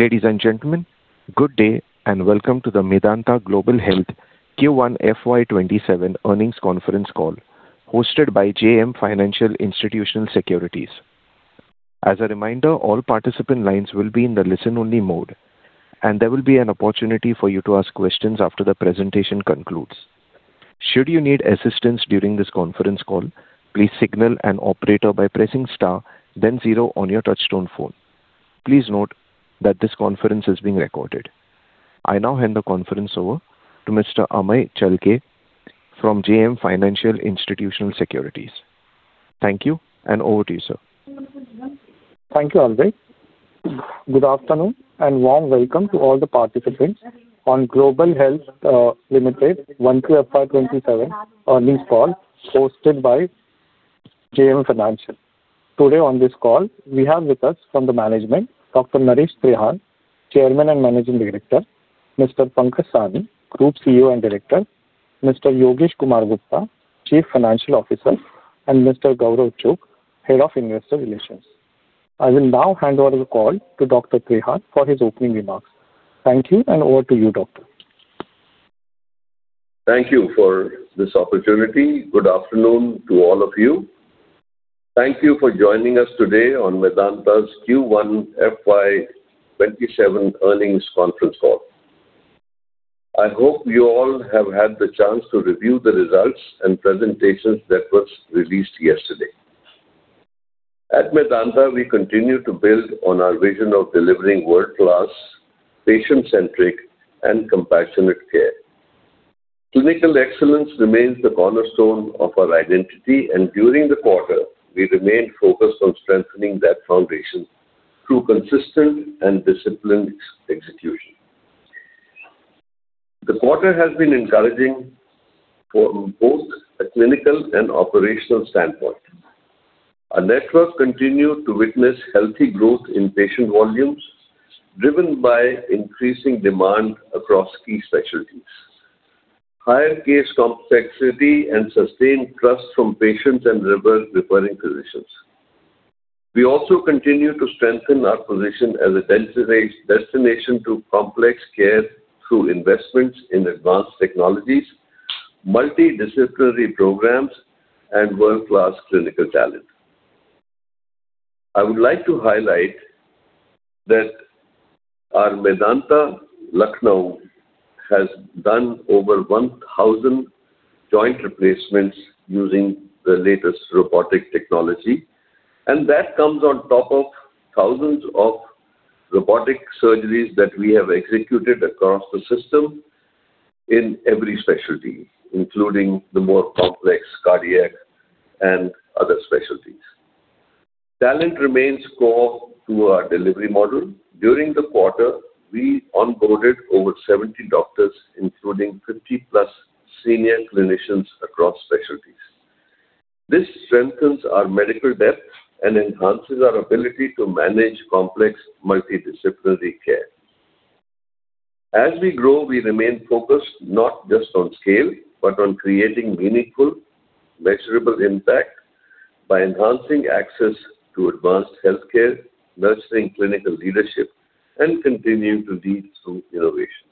Ladies and gentlemen, good day. Welcome to the Medanta Global Health Q1 FY 2027 Earnings Conference Call hosted by JM Financial Institutional Securities. As a reminder, all participant lines will be in the listen-only mode, there will be an opportunity for you to ask questions after the presentation concludes. Should you need assistance during this conference call, please signal an operator by pressing star then zero on your touchtone phone. Please note that this conference is being recorded. I now hand the conference over to Mr. Amey Chalke from JM Financial Institutional Securities. Thank you, over to you, sir. Thank you, Albert. Good afternoon, warm welcome to all the participants on Global Health Limited Q1 FY 2027 earnings call hosted by JM Financial. Today on this call, we have with us from the management, Dr. Naresh Trehan, Chairman and Managing Director, Mr. Pankaj Sahni, Group CEO and Director, Mr. Yogesh Kumar Gupta, Chief Financial Officer, Mr. Gaurav Chugh, Head of Investor Relations. I will now hand over the call to Dr. Trehan for his opening remarks. Thank you, over to you, doctor. Thank you for this opportunity. Good afternoon to all of you. Thank you for joining us today on Medanta's Q1 FY 2027 earnings conference call. I hope you all have had the chance to review the results presentations that was released yesterday. At Medanta, we continue to build on our vision of delivering world-class, patient-centric, compassionate care. Clinical excellence remains the cornerstone of our identity, during the quarter, we remained focused on strengthening that foundation through consistent and disciplined execution. The quarter has been encouraging from both a clinical operational standpoint. Our network continued to witness healthy growth in patient volumes, driven by increasing demand across key specialties, higher case complexity, sustained trust from patients referring physicians. We also continue to strengthen our position as a destination to complex care through investments in advanced technologies, multidisciplinary programs, world-class clinical talent. I would like to highlight that our Medanta Lucknow has done over 1,000 joint replacements using the latest robotic technology, That comes on top of thousands of robotic surgeries that we have executed across the system in every specialty, including the more complex cardiac other specialties. Talent remains core to our delivery model. During the quarter, we onboarded over 70 doctors, including 50-plus senior clinicians across specialties. This strengthens our medical depth enhances our ability to manage complex multidisciplinary care. As we grow, we remain focused not just on scale, but on creating meaningful, measurable impact by enhancing access to advanced healthcare, nurturing clinical leadership, continuing to lead through innovation.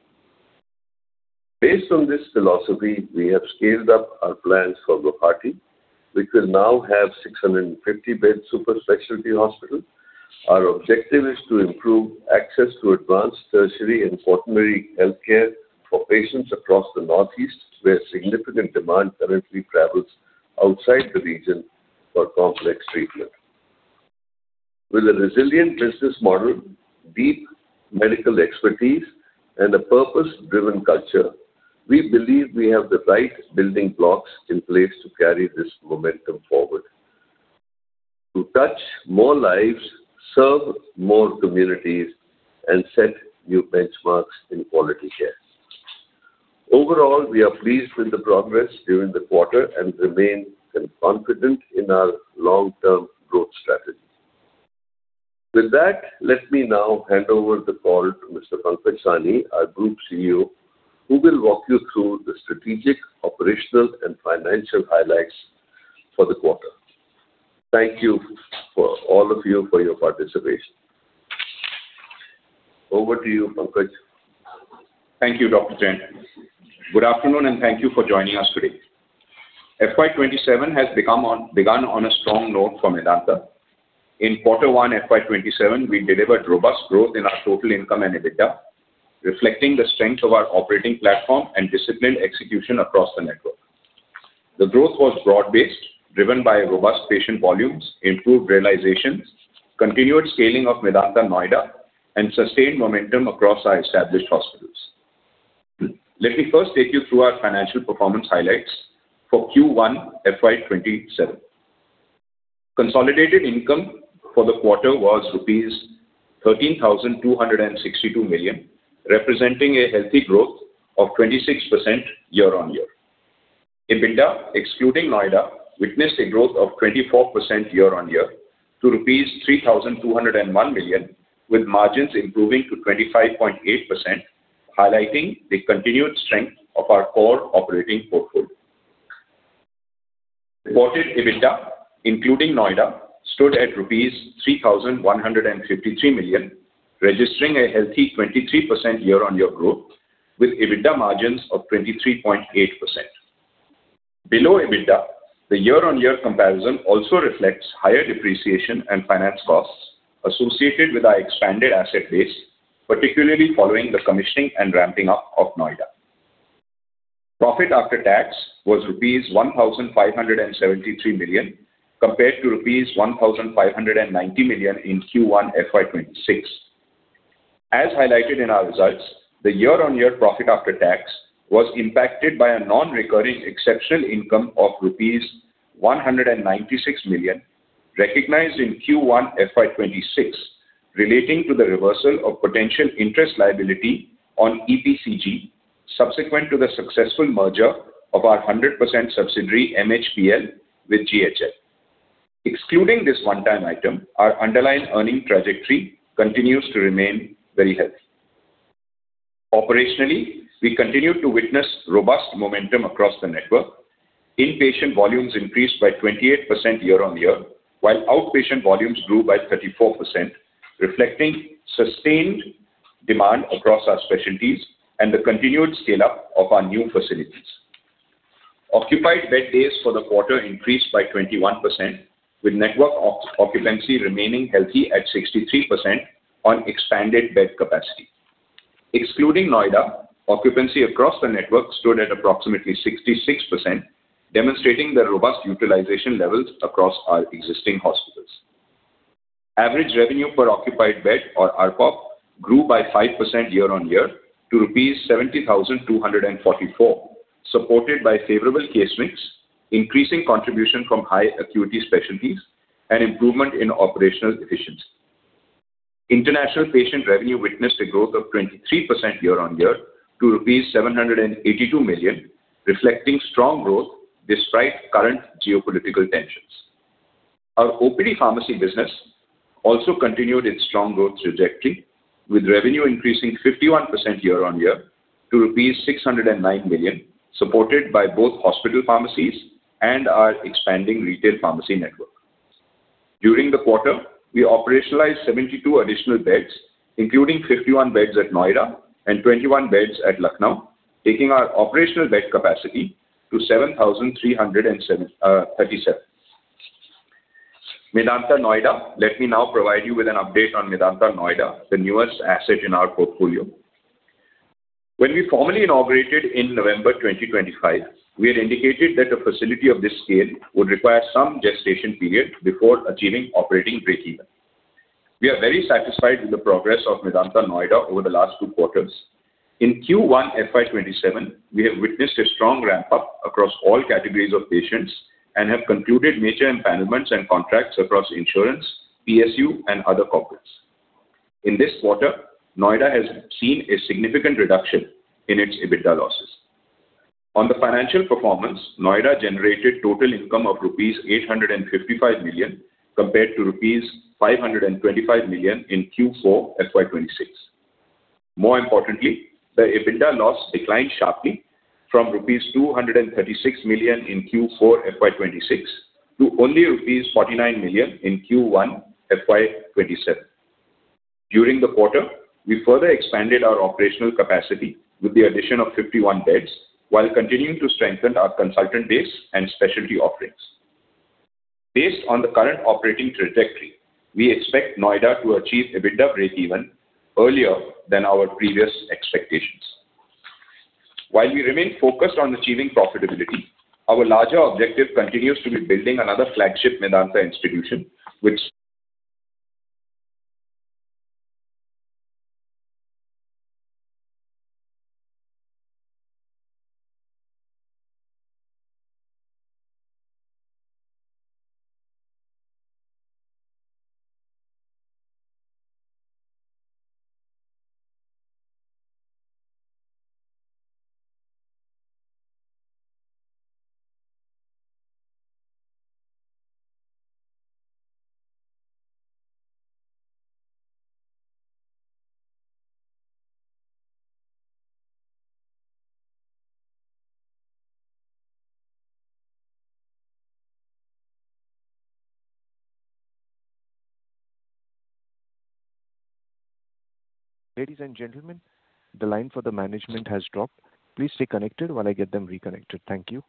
Based on this philosophy, we have scaled up our plans for Guwahati, which will now have 650-bed super specialty hospital. Our objective is to improve access to advanced tertiary and quaternary healthcare for patients across the northeast, where significant demand currently travels outside the region for complex treatment. With a resilient business model, deep medical expertise, and a purpose-driven culture, we believe we have the right building blocks in place to carry this momentum forward. To touch more lives, serve more communities, and set new benchmarks in quality care. Overall, we are pleased with the progress during the quarter and remain confident in our long-term growth strategy. With that, let me now hand over the call to Mr. Pankaj Sahni, our Group CEO, who will walk you through the strategic, operational, and financial highlights for the quarter. Thank you all of you for your participation. Over to you, Pankaj. Thank you, Dr. Trehan. Good afternoon, and thank you for joining us today. FY 2027 has begun on a strong note for Medanta. In quarter one FY 2027, we delivered robust growth in our total income and EBITDA, reflecting the strength of our operating platform and disciplined execution across the network. The growth was broad-based, driven by robust patient volumes, improved realizations, continued scaling of Medanta Noida, and sustained momentum across our established hospitals. Let me first take you through our financial performance highlights for Q1 FY 2027. Consolidated income for the quarter was rupees 13,262 million, representing a healthy growth of 26% year-on-year. EBITDA, excluding Noida, witnessed a growth of 24% year-on-year to rupees 3,201 million, with margins improving to 25.8%, highlighting the continued strength of our core operating portfolio. Reported EBITDA, including Noida, stood at INR. 3,153 million, registering a healthy 23% year-on-year growth with EBITDA margins of 23.8%. Below EBITDA, the year-on-year comparison also reflects higher depreciation and finance costs associated with our expanded asset base, particularly following the commissioning and ramping up of Noida. Profit after tax was rupees 1,573 million compared to rupees 1,590 million in Q1 FY 2026. As highlighted in our results, the year-on-year profit after tax was impacted by a non-recurring exceptional income of rupees 196 million recognized in Q1 FY 2026 relating to the reversal of potential interest liability on EPCG subsequent to the successful merger of our 100% subsidiary MHPL with GHL. Excluding this one-time item, our underlying earning trajectory continues to remain very healthy. Operationally, we continue to witness robust momentum across the network. Inpatient volumes increased by 28% year-on-year, while outpatient volumes grew by 34%, reflecting sustained demand across our specialties and the continued scale-up of our new facilities. Occupied bed days for the quarter increased by 21%, with network occupancy remaining healthy at 63% on expanded bed capacity. Excluding Noida, occupancy across the network stood at approximately 66%, demonstrating the robust utilization levels across our existing hospitals. Average revenue per occupied bed, or ARPOB, grew by 5% year-on-year to rupees 70,244, supported by favorable case mix, increasing contribution from high acuity specialties, and improvement in operational efficiency. International patient revenue witnessed a growth of 23% year-on-year to 782 million, reflecting strong growth despite current geopolitical tensions. Our OPD pharmacy business also continued its strong growth trajectory, with revenue increasing 51% year-on-year to rupees 609 million, supported by both hospital pharmacies and our expanding retail pharmacy network. During the quarter, we operationalized 72 additional beds, including 51 beds at Noida and 21 beds at Lucknow, taking our operational bed capacity to 7,337. Medanta Noida. Let me now provide you with an update on Medanta Noida, the newest asset in our portfolio. When we formally inaugurated in November 2025, we had indicated that a facility of this scale would require some gestation period before achieving operating breakeven. We are very satisfied with the progress of Medanta Noida over the last two quarters. In Q1 FY 2027, we have witnessed a strong ramp-up across all categories of patients and have concluded major empanelments and contracts across insurance, PSU, and other corporates. In this quarter, Noida has seen a significant reduction in its EBITDA losses. On the financial performance, Noida generated total income of rupees 855 million compared to rupees 525 million in Q4 FY 2026. More importantly, the EBITDA loss declined sharply from rupees 236 million in Q4 FY 2026 to only rupees 49 million in Q1 FY 2027. During the quarter, we further expanded our operational capacity with the addition of 51 beds while continuing to strengthen our consultant base and specialty offerings. Based on the current operating trajectory, we expect Noida to achieve EBITDA breakeven earlier than our previous expectations. While we remain focused on achieving profitability, our larger objective continues to be building another flagship Medanta institution which- Ladies and gentlemen, the line for the management has dropped. Please stay connected while I get them reconnected. Thank you.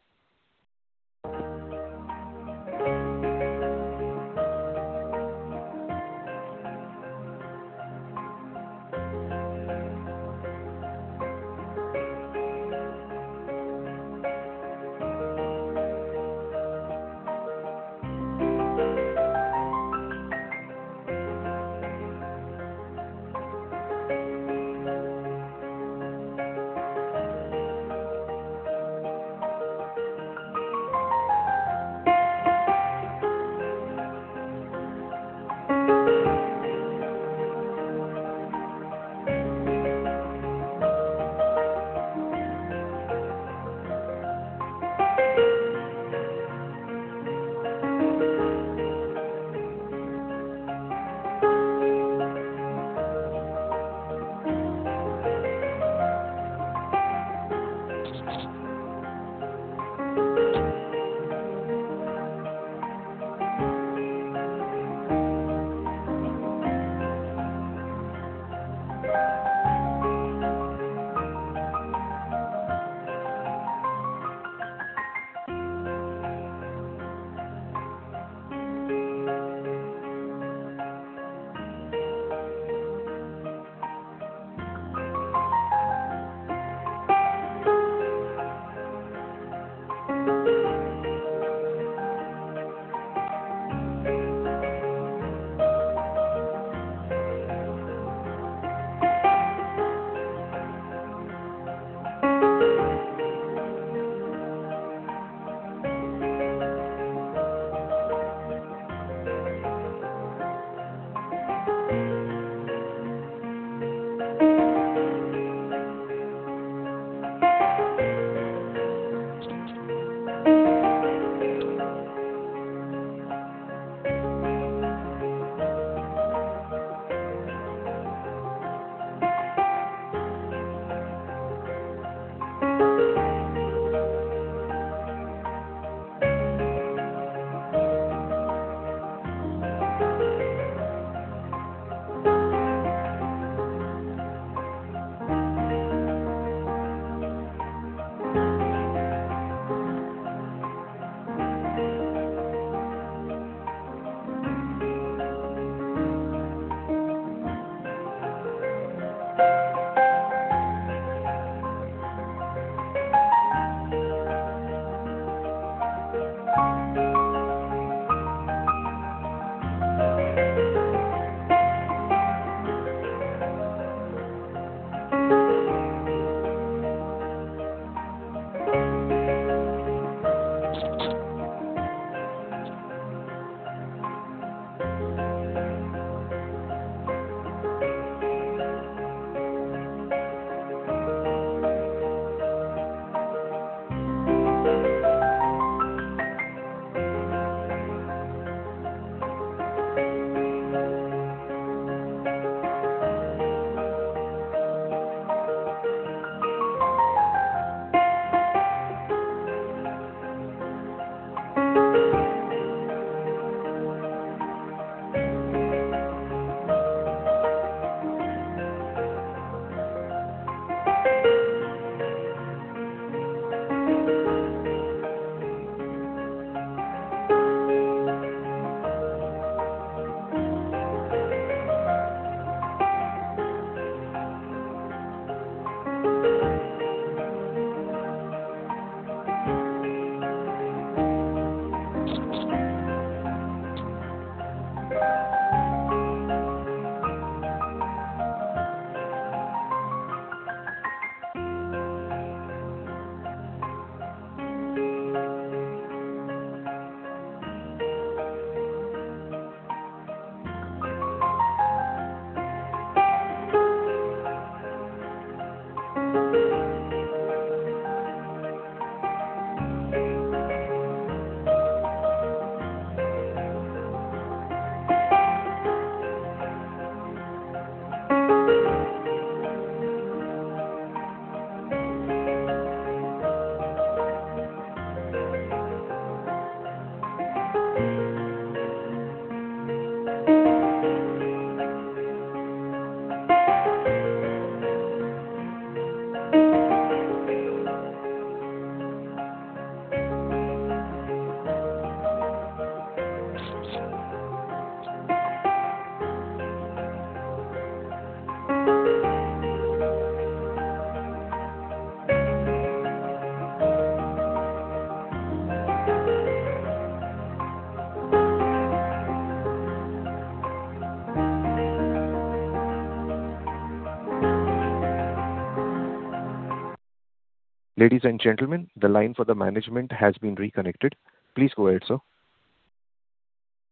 Ladies and gentlemen, the line for the management has been reconnected. Please go ahead, sir.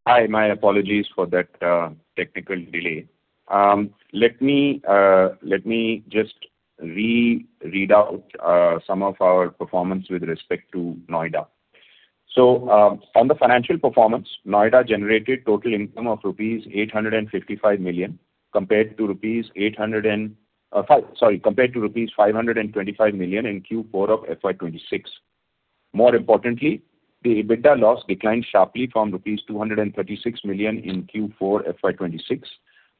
Hi. My apologies for that technical delay. Let me just reread out some of our performance with respect to Noida. On the financial performance, Noida generated total income of rupees 855 million compared to rupees 525 million in Q4 FY 2026. More importantly, the EBITDA loss declined sharply from rupees 236 million in Q4 FY 2026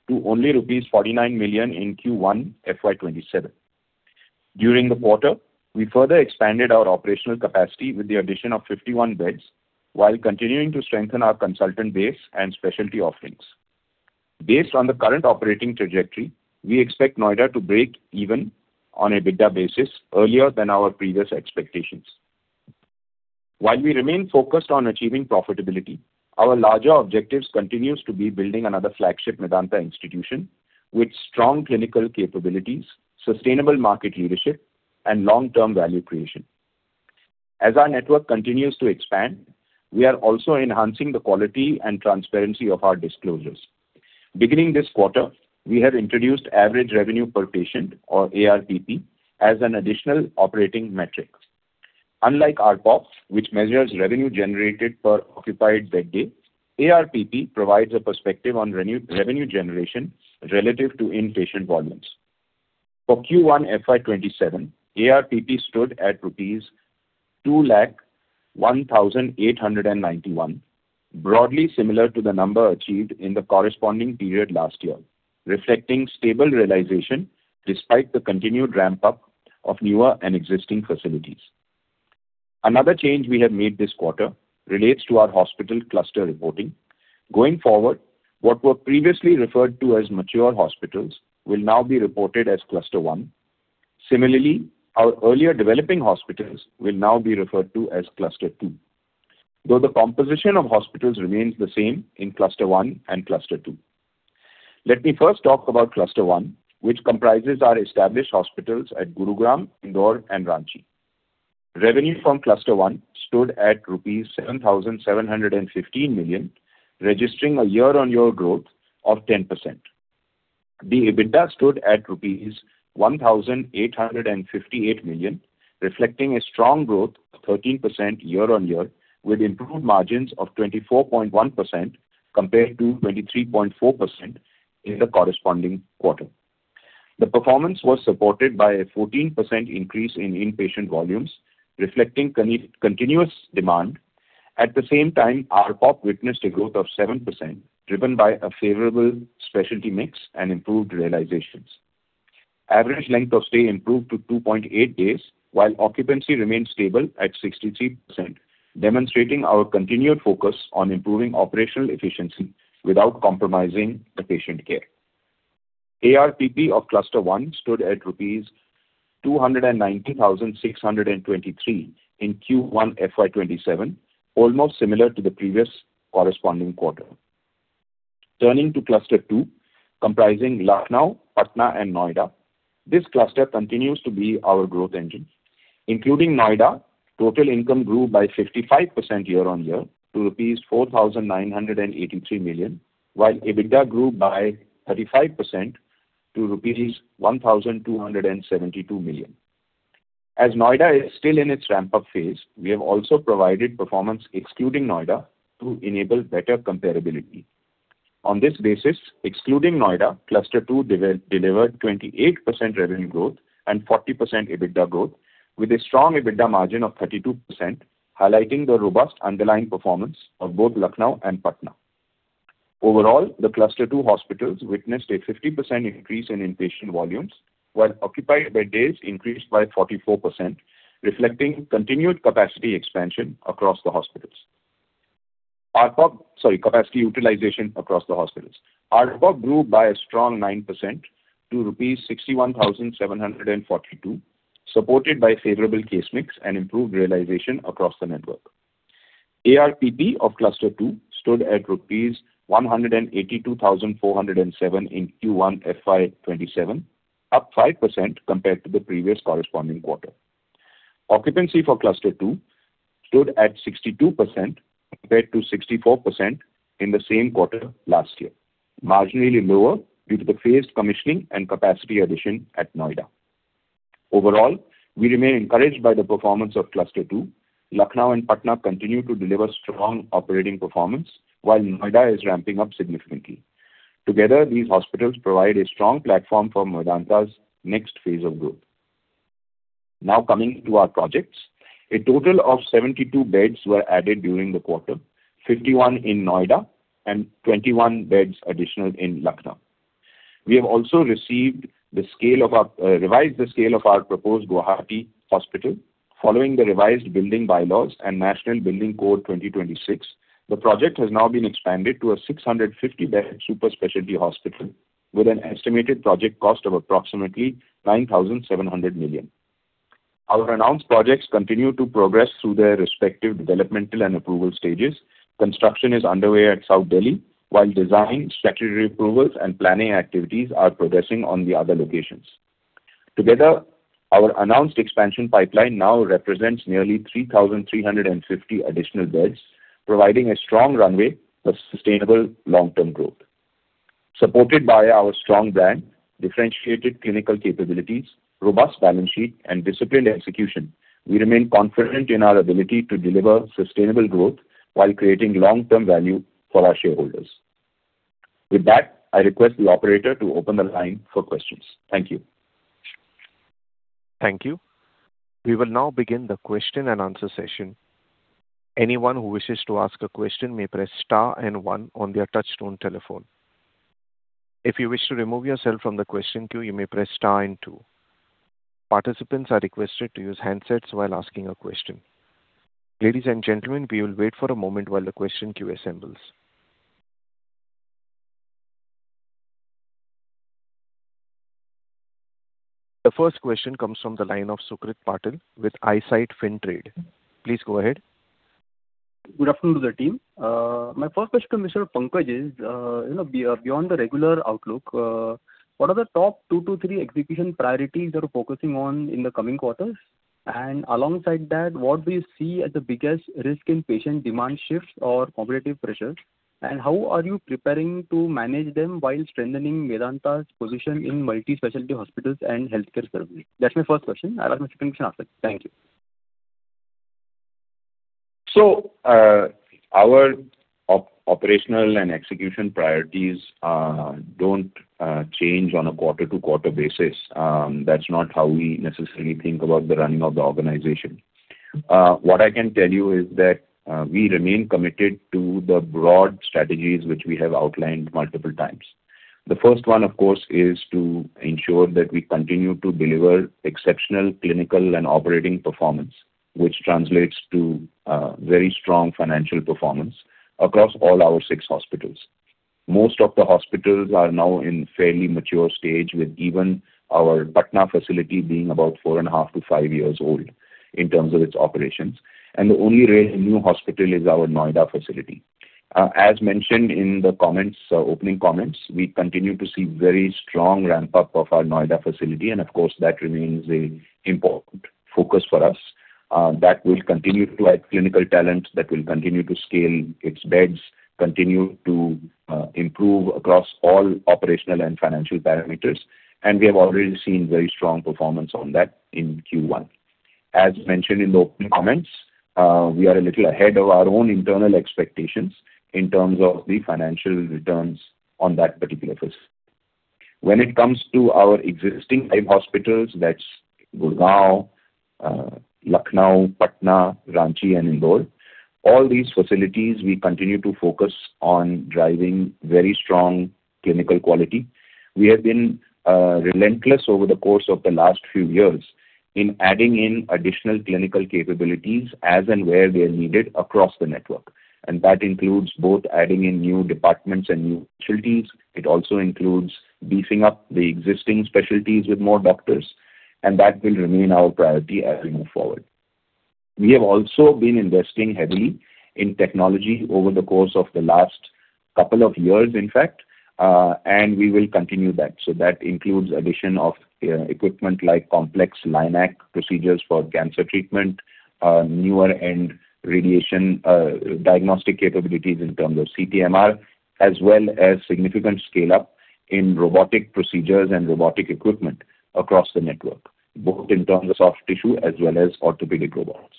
to only rupees 49 million in Q1 FY 2027. During the quarter, we further expanded our operational capacity with the addition of 51 beds, while continuing to strengthen our consultant base and specialty offerings. Based on the current operating trajectory, we expect Noida to break even on an EBITDA basis earlier than our previous expectations. While we remain focused on achieving profitability, our larger objectives continues to be building another flagship Medanta institution with strong clinical capabilities, sustainable market leadership and long-term value creation. As our network continues to expand, we are also enhancing the quality and transparency of our disclosures. Beginning this quarter, we have introduced average revenue per patient, or ARPP, as an additional operating metric. Unlike ARPOBs, which measures revenue generated per occupied bed day, ARPP provides a perspective on revenue generation relative to inpatient volumes. For Q1 FY 2027, ARPP stood at rupees 201,891, broadly similar to the number achieved in the corresponding period last year, reflecting stable realization despite the continued ramp-up of newer and existing facilities. Another change we have made this quarter relates to our hospital cluster reporting. Going forward, what were previously referred to as mature hospitals will now be reported as Cluster 1. Similarly, our earlier developing hospitals will now be referred to as Cluster 2, though the composition of hospitals remains the same in Cluster 1 and Cluster 2. Let me first talk about Cluster 1, which comprises our established hospitals at Gurugram, Indore, and Ranchi. Revenue from Cluster 1 stood at rupees 7,715 million, registering a year-on-year growth of 10%. The EBITDA stood at rupees 1,858 million, reflecting a strong growth of 13% year-on-year with improved margins of 24.1% compared to 23.4% in the corresponding quarter. The performance was supported by a 14% increase in inpatient volumes, reflecting continuous demand. At the same time, ARPOB witnessed a growth of 7%, driven by a favorable specialty mix and improved realizations. Average length of stay improved to 2.8 days while occupancy remained stable at 63%, demonstrating our continued focus on improving operational efficiency without compromising the patient care. ARPP of Cluster 1 stood at rupees 290,623 in Q1 FY 2027, almost similar to the previous corresponding quarter. Turning to Cluster 2, comprising Lucknow, Patna, and Noida. This cluster continues to be our growth engine. Including Noida, total income grew by 55% year-on-year to rupees 4,983 million, while EBITDA grew by 35% to rupees 1,272 million. As Noida is still in its ramp-up phase, we have also provided performance excluding Noida to enable better comparability. On this basis, excluding Noida, Cluster 2 delivered 28% revenue growth and 40% EBITDA growth with a strong EBITDA margin of 32%, highlighting the robust underlying performance of both Lucknow and Patna. Overall, the Cluster 2 hospitals witnessed a 50% increase in inpatient volumes while occupied bed days increased by 44%, reflecting continued capacity utilization across the hospitals. ARPOB grew by a strong 9% to rupees 61,742, supported by favorable case mix and improved realization across the network. ARPP of Cluster 2 stood at rupees 182,407 in Q1 FY 2027, up 5% compared to the previous corresponding quarter. Occupancy for Cluster 2 stood at 62% compared to 64% in the same quarter last year, marginally lower due to the phased commissioning and capacity addition at Noida. Overall, we remain encouraged by the performance of Cluster 2. Lucknow and Patna continue to deliver strong operating performance while Noida is ramping up significantly. Together, these hospitals provide a strong platform for Medanta's next phase of growth. Now coming to our projects. A total of 72 beds were added during the quarter, 51 in Noida and 21 beds additional in Lucknow. We have also revised the scale of our proposed Guwahati hospital. Following the revised building bylaws and National Building Code 2026, the project has now been expanded to a 650-bed super specialty hospital with an estimated project cost of approximately 9,700 million. Our announced projects continue to progress through their respective developmental and approval stages. Construction is underway at South Delhi while design, statutory approvals, and planning activities are progressing on the other locations. Together, our announced expansion pipeline now represents nearly 3,350 additional beds, providing a strong runway for sustainable long-term growth. Supported by our strong brand, differentiated clinical capabilities, robust balance sheet, and disciplined execution, we remain confident in our ability to deliver sustainable growth while creating long-term value for our shareholders. With that, I request the operator to open the line for questions. Thank you. Thank you. We will now begin the question and answer session. Anyone who wishes to ask a question may press star and one on their touchtone telephone. If you wish to remove yourself from the question queue, you may press star and two. Participants are requested to use handsets while asking a question. Ladies and gentlemen, we will wait for a moment while the question queue assembles. The first question comes from the line of Sucrit Patil with Eyesight Fintrade. Please go ahead. Good afternoon to the team. My first question, Mr. Pankaj, is, beyond the regular outlook, what are the top two to three execution priorities that you're focusing on in the coming quarters? Alongside that, what do you see as the biggest risk in patient demand shifts or competitive pressures? How are you preparing to manage them while strengthening Medanta's position in multi-specialty hospitals and healthcare services? That's my first question. I have a second question after. Thank you. Our operational and execution priorities don't change on a quarter-to-quarter basis. That's not how we necessarily think about the running of the organization. What I can tell you is that we remain committed to the broad strategies which we have outlined multiple times. The first one, of course, is to ensure that we continue to deliver exceptional clinical and operating performance, which translates to very strong financial performance across all our six hospitals. Most of the hospitals are now in fairly mature stage with even our Patna facility being about 4.5-5 years old in terms of its operations, and the only really new hospital is our Noida facility. As mentioned in the opening comments, we continue to see very strong ramp-up of our Noida facility, of course, that remains an important focus for us. That will continue to add clinical talent, that will continue to scale its beds, continue to improve across all operational and financial parameters, and we have already seen very strong performance on that in Q1. As mentioned in the opening comments, we are a little ahead of our own internal expectations in terms of the financial returns on that particular facility. When it comes to our existing five hospitals, that is Gurgaon, Lucknow, Patna, Ranchi, and Indore. All these facilities, we continue to focus on driving very strong clinical quality. We have been relentless over the course of the last few years in adding in additional clinical capabilities as and where they are needed across the network. That includes both adding in new departments and new specialties. It also includes beefing up the existing specialties with more doctors, and that will remain our priority as we move forward. We have also been investing heavily in technology over the course of the last couple of years, in fact, and we will continue that. That includes addition of equipment like complex LINAC procedures for cancer treatment, newer-end radiation diagnostic capabilities in terms of CT/MR, as well as significant scale-up in robotic procedures and robotic equipment across the network, both in terms of soft tissue as well as orthopedic robots.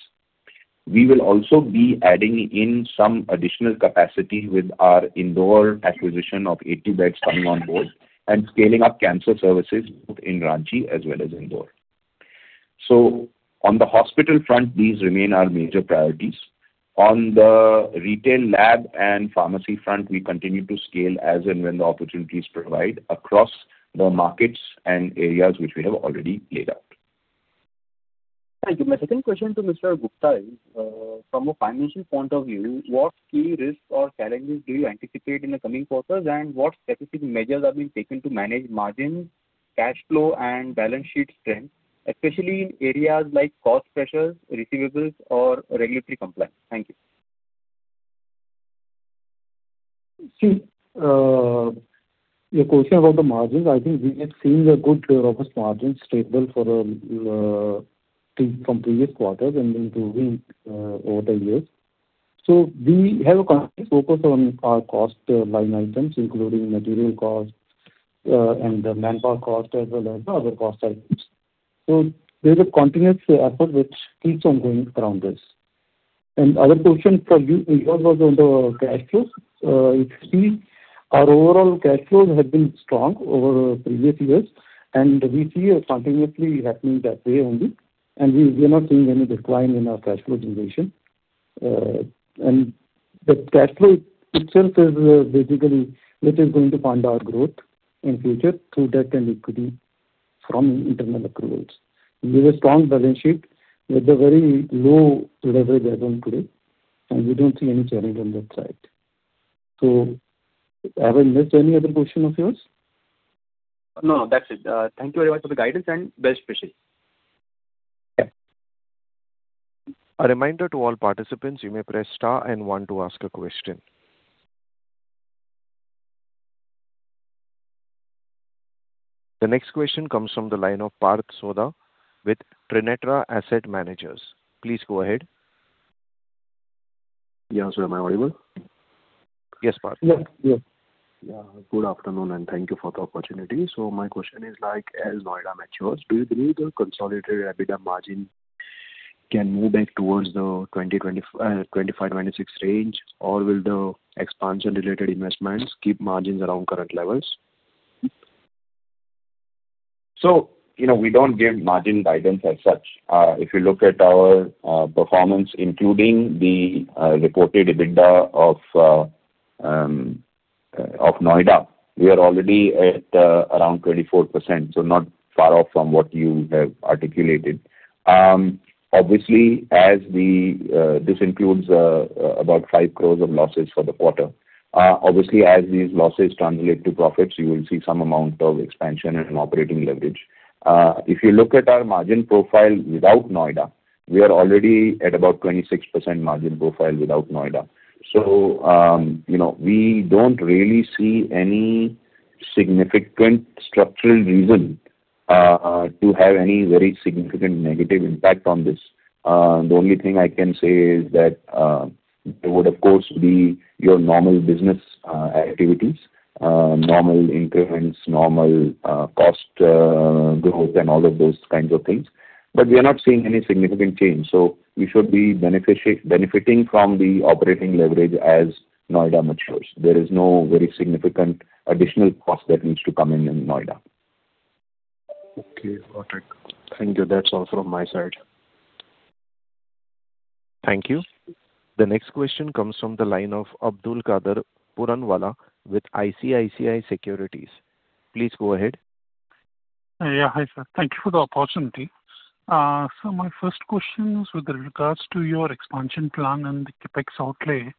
We will also be adding in some additional capacity with our Indore acquisition of 80 beds coming on board and scaling up cancer services both in Ranchi as well as Indore. On the hospital front, these remain our major priorities. On the retail lab and pharmacy front, we continue to scale as and when the opportunities provide across the markets and areas which we have already laid out. Thank you. My second question to Mr. Gupta is, from a financial point of view, what key risks or challenges do you anticipate in the coming quarters, and what specific measures are being taken to manage margins, cash flow, and balance sheet strength, especially in areas like cost pressures, receivables, or regulatory compliance? Thank you. See, your question about the margins, I think we have seen a good robust margin stable from previous quarters and improving over the years. We have a constant focus on our cost line items, including material cost and the manpower cost as well as other cost items. There is a continuous effort which keeps on going around this. Other question from you, Mayur, was on the cash flows. If you see, our overall cash flows have been strong over previous years, and we see it continuously happening that way only, and we are not seeing any decline in our cash flow generation. The cash flow itself is basically which is going to fund our growth in future through debt and equity from internal accruals. We have a strong balance sheet with a very low leverage add-on today, and we don't see any challenge on that side. Have I missed any other question of yours? No, that's it. Thank you very much for the guidance and best wishes. Yeah. A reminder to all participants, you may press star and one to ask a question. The next question comes from the line of Parth Sodha with Trinetra Asset Managers. Please go ahead. Yes, sir. Am I audible? Yes, Parth. Yes. Good afternoon, and thank you for the opportunity. My question is like, as Noida matures, do you believe the consolidated EBITDA margin can move back towards the 2025-2026 range, or will the expansion-related investments keep margins around current levels? We don't give margin guidance as such. If you look at our performance, including the reported EBITDA of Noida, we are already at around 24%, not far off from what you have articulated. This includes about 5 crores of losses for the quarter. Obviously, as these losses translate to profits, you will see some amount of expansion and operating leverage. If you look at our margin profile without Noida, we are already at about 26% margin profile without Noida. We don't really see any significant structural reason to have any very significant negative impact on this. The only thing I can say is that there would, of course, be your normal business activities, normal increments, normal cost growth, and all of those kinds of things. We are not seeing any significant change, so we should be benefiting from the operating leverage as Noida matures. There is no very significant additional cost that needs to come in Noida. Okay, got it. Thank you. That's all from my side. Thank you. The next question comes from the line of Abdulkader Puranwala with ICICI Securities. Please go ahead. Hi, sir. Thank you for the opportunity. My first question is with regards to your expansion plan and the CapEx outlay.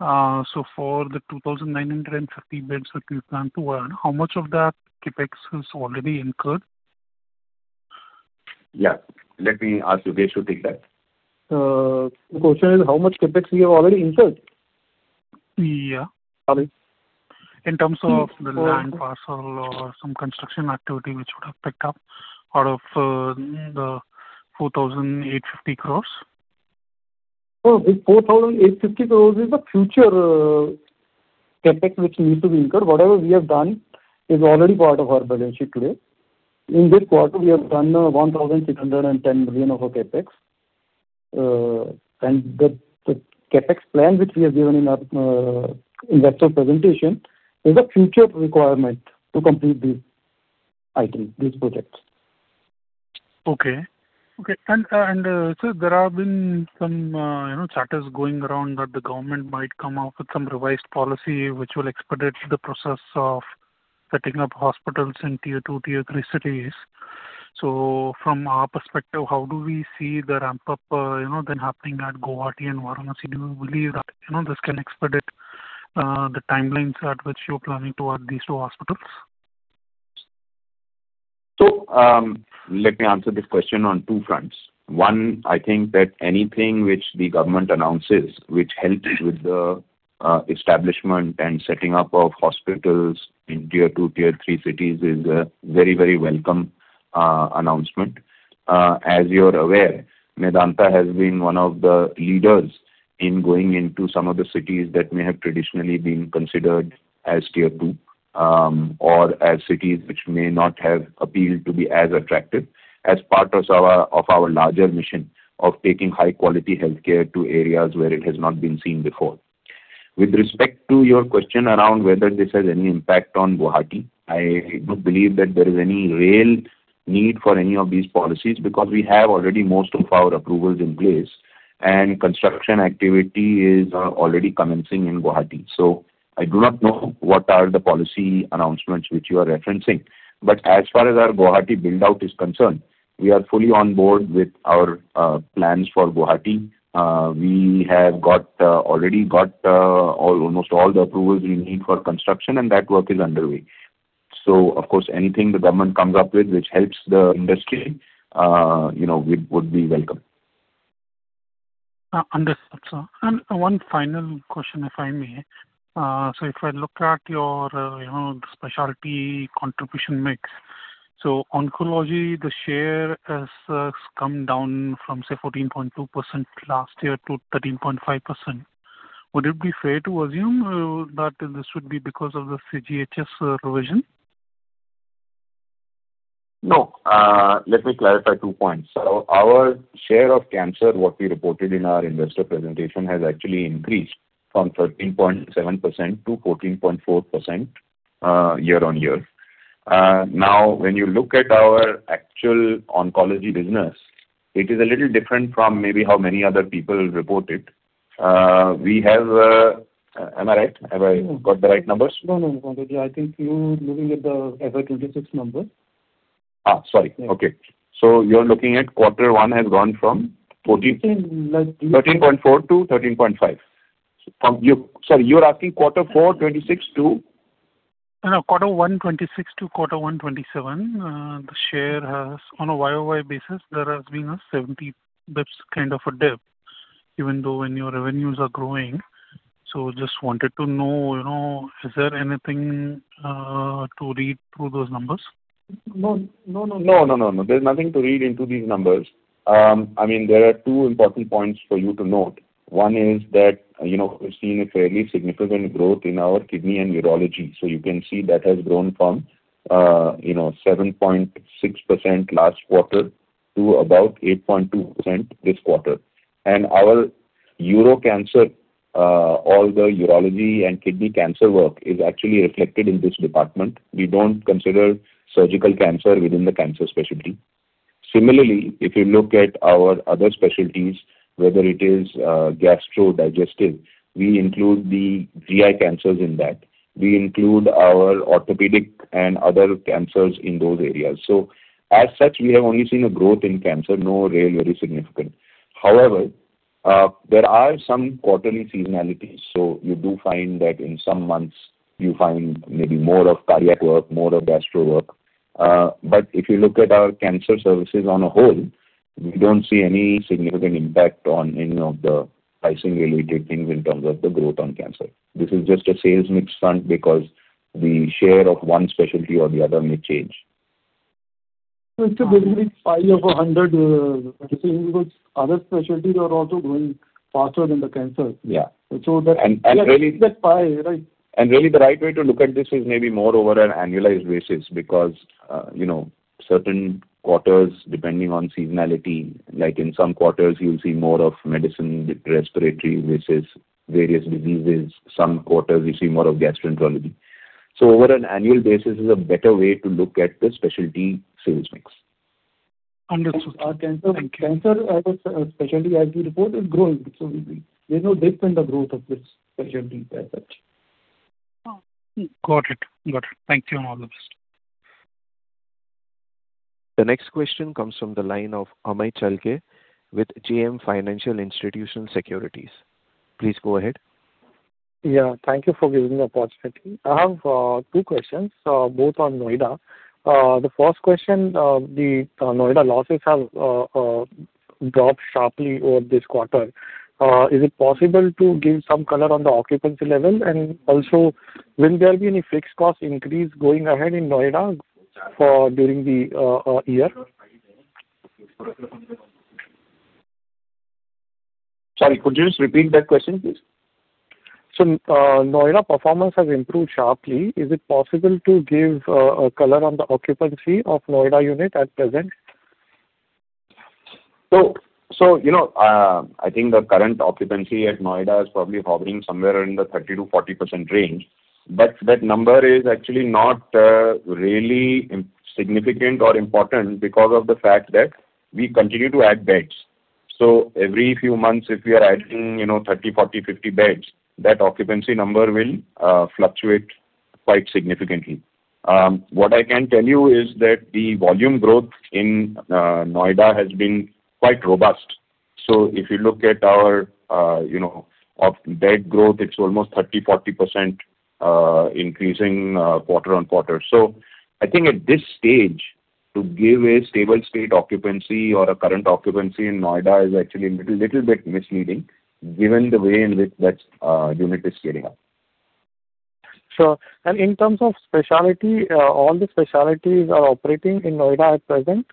For the 2,950 beds that you plan to add, how much of that CapEx is already incurred? Let me ask Yogesh to take that. The question is how much CapEx we have already incurred. Yeah. Sorry. In terms of the land parcel or some construction activity which would have picked up out of the 4,850 crore. This 4,850 crore is the future CapEx which needs to be incurred. Whatever we have done is already part of our balance sheet today. In this quarter, we have done 1,610 million of our CapEx. The CapEx plan which we have given in our investor presentation is a future requirement to complete these items, these projects. Okay. Sir, there have been some chatters going around that the government might come out with some revised policy which will expedite the process of setting up hospitals in Tier 2, Tier 3 cities. From our perspective, how do we see the ramp-up then happening at Guwahati and Varanasi? Do you believe that this can expedite the timelines at which you're planning to add these two hospitals? Let me answer this question on two fronts. One, I think that anything which the government announces which helps with the establishment and setting up of hospitals in Tier 2, Tier 3 cities is a very welcome announcement. As you are aware, Medanta has been one of the leaders in going into some of the cities that may have traditionally been considered as Tier 2 or as cities which may not have appealed to be as attractive as part of our larger mission of taking high-quality healthcare to areas where it has not been seen before. With respect to your question around whether this has any impact on Guwahati, I do not believe that there is any real need for any of these policies because we have already most of our approvals in place, and construction activity is already commencing in Guwahati. I do not know what are the policy announcements which you are referencing. As far as our Guwahati build-out is concerned, we are fully on board with our plans for Guwahati. We have already got almost all the approvals we need for construction, and that work is underway. Of course, anything the government comes up with which helps the industry would be welcome. Understood, sir. One final question, if I may. If I look at your specialty contribution mix, oncology, the share has come down from, say, 14.2% last year to 13.5%. Would it be fair to assume that this would be because of the CGHS revision? No. Let me clarify two points. Our share of cancer, what we reported in our investor presentation, has actually increased from 13.7%-14.4% year on year. When you look at our actual oncology business, it is a little different from maybe how many other people report it. Am I right? Have I got the right numbers? I think you're looking at the FY 2026 number. Sorry. Okay. You're looking at Q1 has gone from 14%- 13.4%-13.5% Sorry, you're asking Q4 2026 to? Q1 2026-Q1 2027. The share has, on a YOY basis, there has been a 70 basis points kind of a dip, even though when your revenues are growing. Just wanted to know, is there anything to read through those numbers? No. There's nothing to read into these numbers. There are two important points for you to note. One is that we've seen a fairly significant growth in our kidney and urology. You can see that has grown from 7.6% last quarter to about 8.2% this quarter. Our uro cancer, all the urology and kidney cancer work is actually reflected in this department. We don't consider surgical cancer within the cancer specialty. Similarly, if you look at our other specialties, whether it is gastro digestive, we include the GI cancers in that. We include our orthopedic and other cancers in those areas. As such, we have only seen a growth in cancer, no really significant. However, there are some quarterly seasonality, so you do find that in some months you find maybe more of cardiac work, more of gastro work. If you look at our cancer services on a whole. We don't see any significant impact on any of the pricing-related things in terms of the growth on cancer. This is just a sales mix front because the share of one specialty or the other may change. It's a building pie of 100. Other specialties are also growing faster than the cancer. Yeah. So that- And really- That pie, right. Really the right way to look at this is maybe more over an annualized basis because certain quarters, depending on seasonality, like in some quarters, you'll see more of medicine, respiratory versus various diseases. Some quarters you see more of gastroenterology. Over an annual basis is a better way to look at the specialty sales mix. Understood. Thank you. Cancer as a specialty, as we report, is growing. There's no dip in the growth of this specialty as such. Got it. Thank you. All the best. The next question comes from the line of Amey Chalke with JM Financial Institutional Securities. Please go ahead. Yeah. Thank you for giving me the opportunity. I have two questions, both on Noida. The first question, the Noida losses have dropped sharply over this quarter. Is it possible to give some color on the occupancy level and also will there be any fixed cost increase going ahead in Noida for during the year? Sorry, could you just repeat that question, please? Noida performance has improved sharply. Is it possible to give a color on the occupancy of Noida unit at present? I think the current occupancy at Noida is probably hovering somewhere in the 30%-40% range, but that number is actually not really significant or important because of the fact that we continue to add beds. Every few months, if we are adding 30, 40, 50 beds, that occupancy number will fluctuate quite significantly. What I can tell you is that the volume growth in Noida has been quite robust. If you look at our bed growth, it is almost 30%-40%, increasing quarter-on-quarter. I think at this stage to give a stable state occupancy or a current occupancy in Noida is actually a little bit misleading given the way in which that unit is scaling up. Sure. In terms of specialty, all the specialties are operating in Noida at present,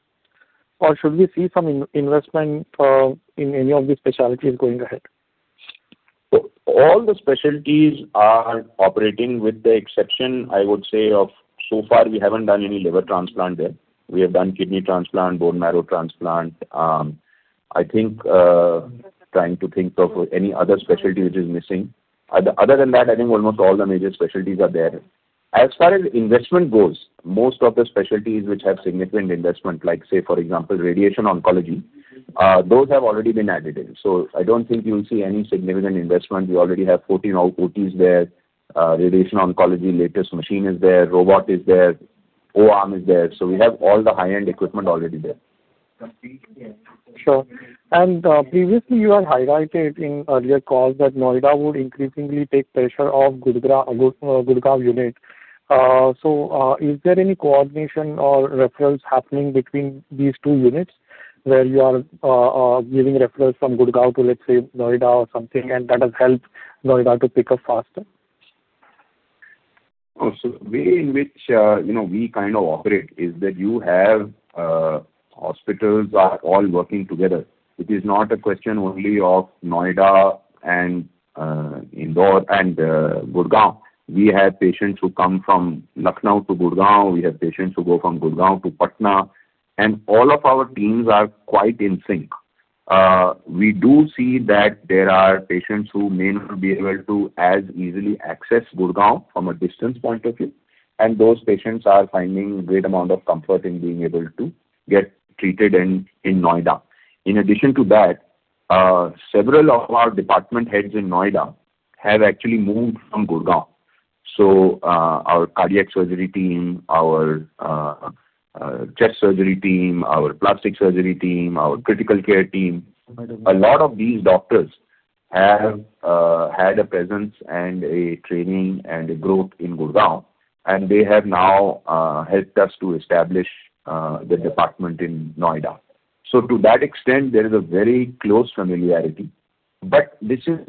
or should we see some investment in any of these specialties going ahead? All the specialties are operating with the exception, I would say of so far, we haven't done any liver transplant there. We have done kidney transplant, bone marrow transplant. I am trying to think of any other specialty which is missing. Other than that, I think almost all the major specialties are there. As far as investment goes, most of the specialties which have significant investment like say for example radiation oncology, those have already been added in. I don't think you will see any significant investment. We already have 14 OTs there, radiation oncology latest machine is there, robot is there, O-arm is there. We have all the high-end equipment already there. Sure. Previously you had highlighted in earlier calls that Noida would increasingly take pressure off Gurgaon unit. Is there any coordination or referrals happening between these two units where you are giving referrals from Gurgaon to, let's say, Noida or something, and that has helped Noida to pick up faster? The way in which we operate is that you have hospitals are all working together. It is not a question only of Noida and Gurgaon. We have patients who come from Lucknow to Gurgaon. We have patients who go from Gurgaon to Patna. All of our teams are quite in sync. We do see that there are patients who may not be able to as easily access Gurgaon from a distance point of view. Those patients are finding great amount of comfort in being able to get treated in Noida. In addition to that, several of our department heads in Noida have actually moved from Gurgaon. Our cardiac surgery team, our chest surgery team, our plastic surgery team, our critical care team, a lot of these doctors have had a presence and a training and a growth in Gurgaon. They have now helped us to establish the department in Noida. To that extent, there is a very close familiarity. This is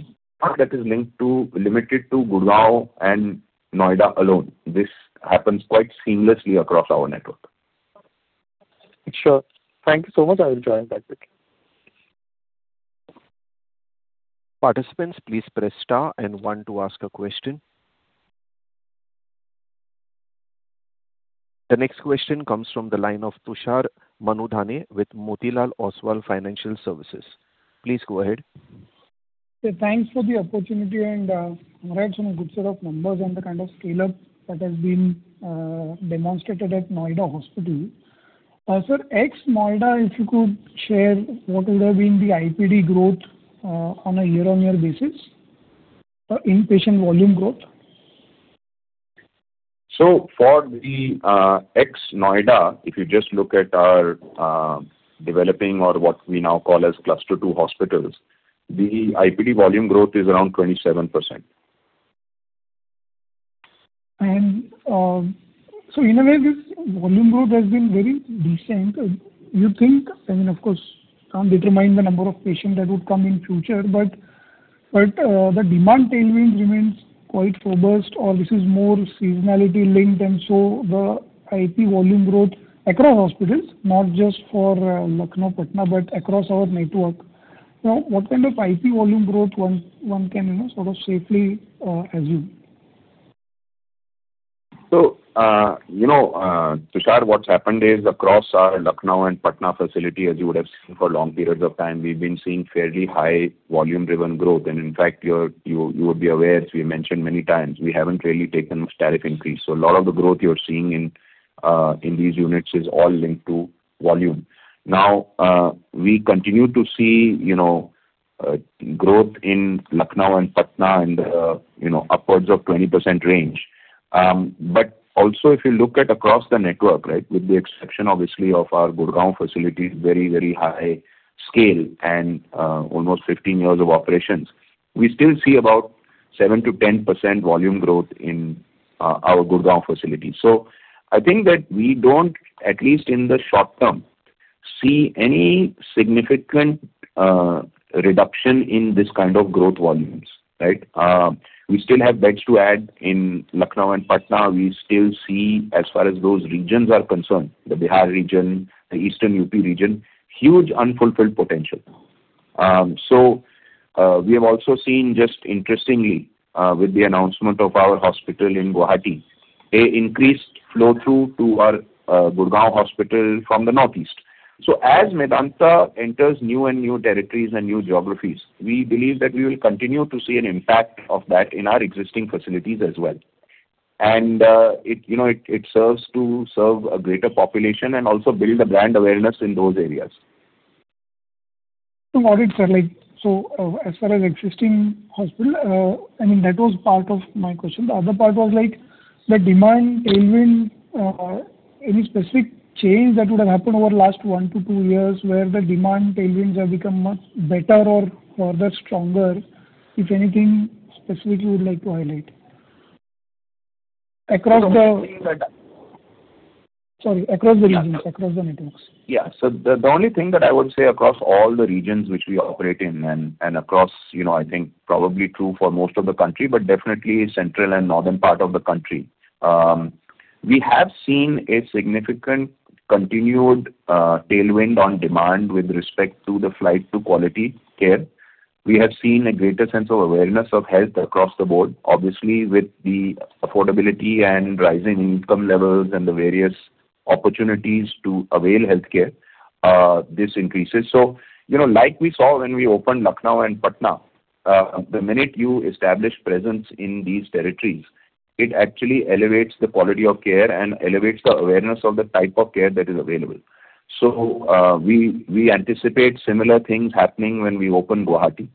not that is linked to limited to Gurgaon and Noida alone. This happens quite seamlessly across our network. Sure. Thank you so much. I will join back with you. Participants, please press star and one to ask a question. The next question comes from the line of Tushar Manudhane with Motilal Oswal Financial Services. Please go ahead. Thanks for the opportunity and congrats on a good set of numbers and the kind of scale-up that has been demonstrated at Noida hospital. Sir, ex Noida, if you could share what would have been the IPD growth on a year-on-year basis, in-patient volume growth. For the ex Noida, if you just look at our developing or what we now call as Cluster 2 hospitals, the IPD volume growth is around 27%. In a way, this volume growth has been very decent. You think, I mean, of course, can't determine the number of patients that would come in future, but the demand tailwind remains quite robust or this is more seasonality linked, and so the IP volume growth across hospitals, not just for Lucknow, Patna, but across our network. Now, what kind of IP volume growth one can sort of safely assume? Tushar, what's happened is across our Lucknow and Patna facility, as you would have seen for long periods of time, we've been seeing fairly high volume-driven growth. In fact, you would be aware, as we mentioned many times, we haven't really taken a tariff increase. A lot of the growth you're seeing in these units is all linked to volume. Now, we continue to see growth in Lucknow and Patna and upwards of 20% range. Also if you look at across the network, with the exception obviously of our Gurgaon facility, very high scale and almost 15 years of operations, we still see about 7%-10% volume growth in our Gurgaon facility. I think that we don't, at least in the short term, see any significant reduction in this kind of growth volumes. We still have beds to add in Lucknow and Patna. We still see, as far as those regions are concerned, the Bihar region, the Eastern UP region, huge unfulfilled potential. We have also seen, just interestingly, with the announcement of our hospital in Guwahati, a increased flow-through to our Gurgaon hospital from the northeast. As Medanta enters new and new territories and new geographies, we believe that we will continue to see an impact of that in our existing facilities as well. It serves to serve a greater population and also build the brand awareness in those areas. Got it, sir. As far as existing hospital, I mean, that was part of my question. The other part was the demand tailwind, any specific change that would have happened over last one to two years where the demand tailwinds have become much better or further stronger, if anything specifically you would like to highlight. The only thing. Sorry. Yeah Across the networks. Yeah. The only thing that I would say across all the regions which we operate in and across, I think probably true for most of the country, but definitely central and northern part of the country. We have seen a significant continued tailwind on demand with respect to the flight to quality care. We have seen a greater sense of awareness of health across the board. Obviously, with the affordability and rising income levels and the various opportunities to avail healthcare, this increases. Like we saw when we opened Lucknow and Patna, the minute you establish presence in these territories, it actually elevates the quality of care and elevates the awareness of the type of care that is available. We anticipate similar things happening when we open Guwahati.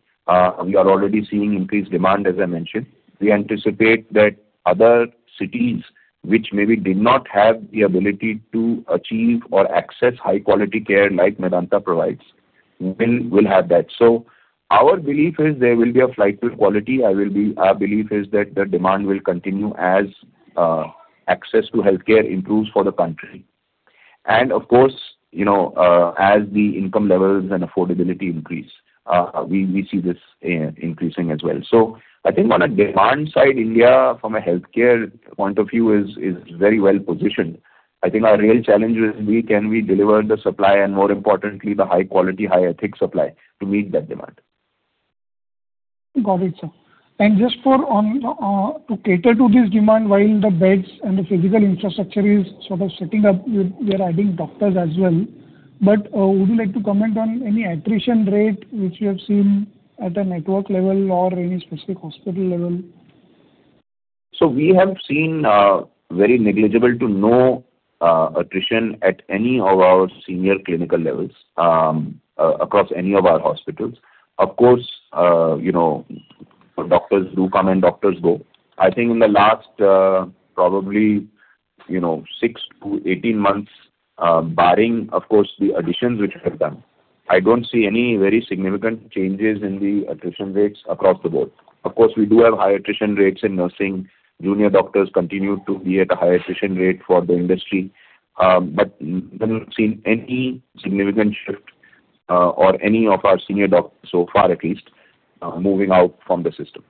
We are already seeing increased demand, as I mentioned. We anticipate that other cities which maybe did not have the ability to achieve or access high-quality care like Medanta provides will have that. Our belief is there will be a flight to quality. Our belief is that the demand will continue as access to healthcare improves for the country. Of course, as the income levels and affordability increase, we see this increasing as well. I think on a demand side, India from a healthcare point of view is very well-positioned. I think our real challenge is can we deliver the supply and more importantly, the high-quality, high ethics supply to meet that demand. Got it, sir. Just to cater to this demand, while the beds and the physical infrastructure is sort of setting up, we are adding doctors as well. Would you like to comment on any attrition rate which you have seen at a network level or any specific hospital level? We have seen very negligible to no attrition at any of our senior clinical levels across any of our hospitals. Of course, doctors do come and doctors go. I think in the last probably 6-18 months, barring of course the additions which we have done, I don't see any very significant changes in the attrition rates across the board. Of course, we do have high attrition rates in nursing. Junior doctors continue to be at a high attrition rate for the industry. But we haven't seen any significant shift or any of our senior doctors, so far at least, moving out from the system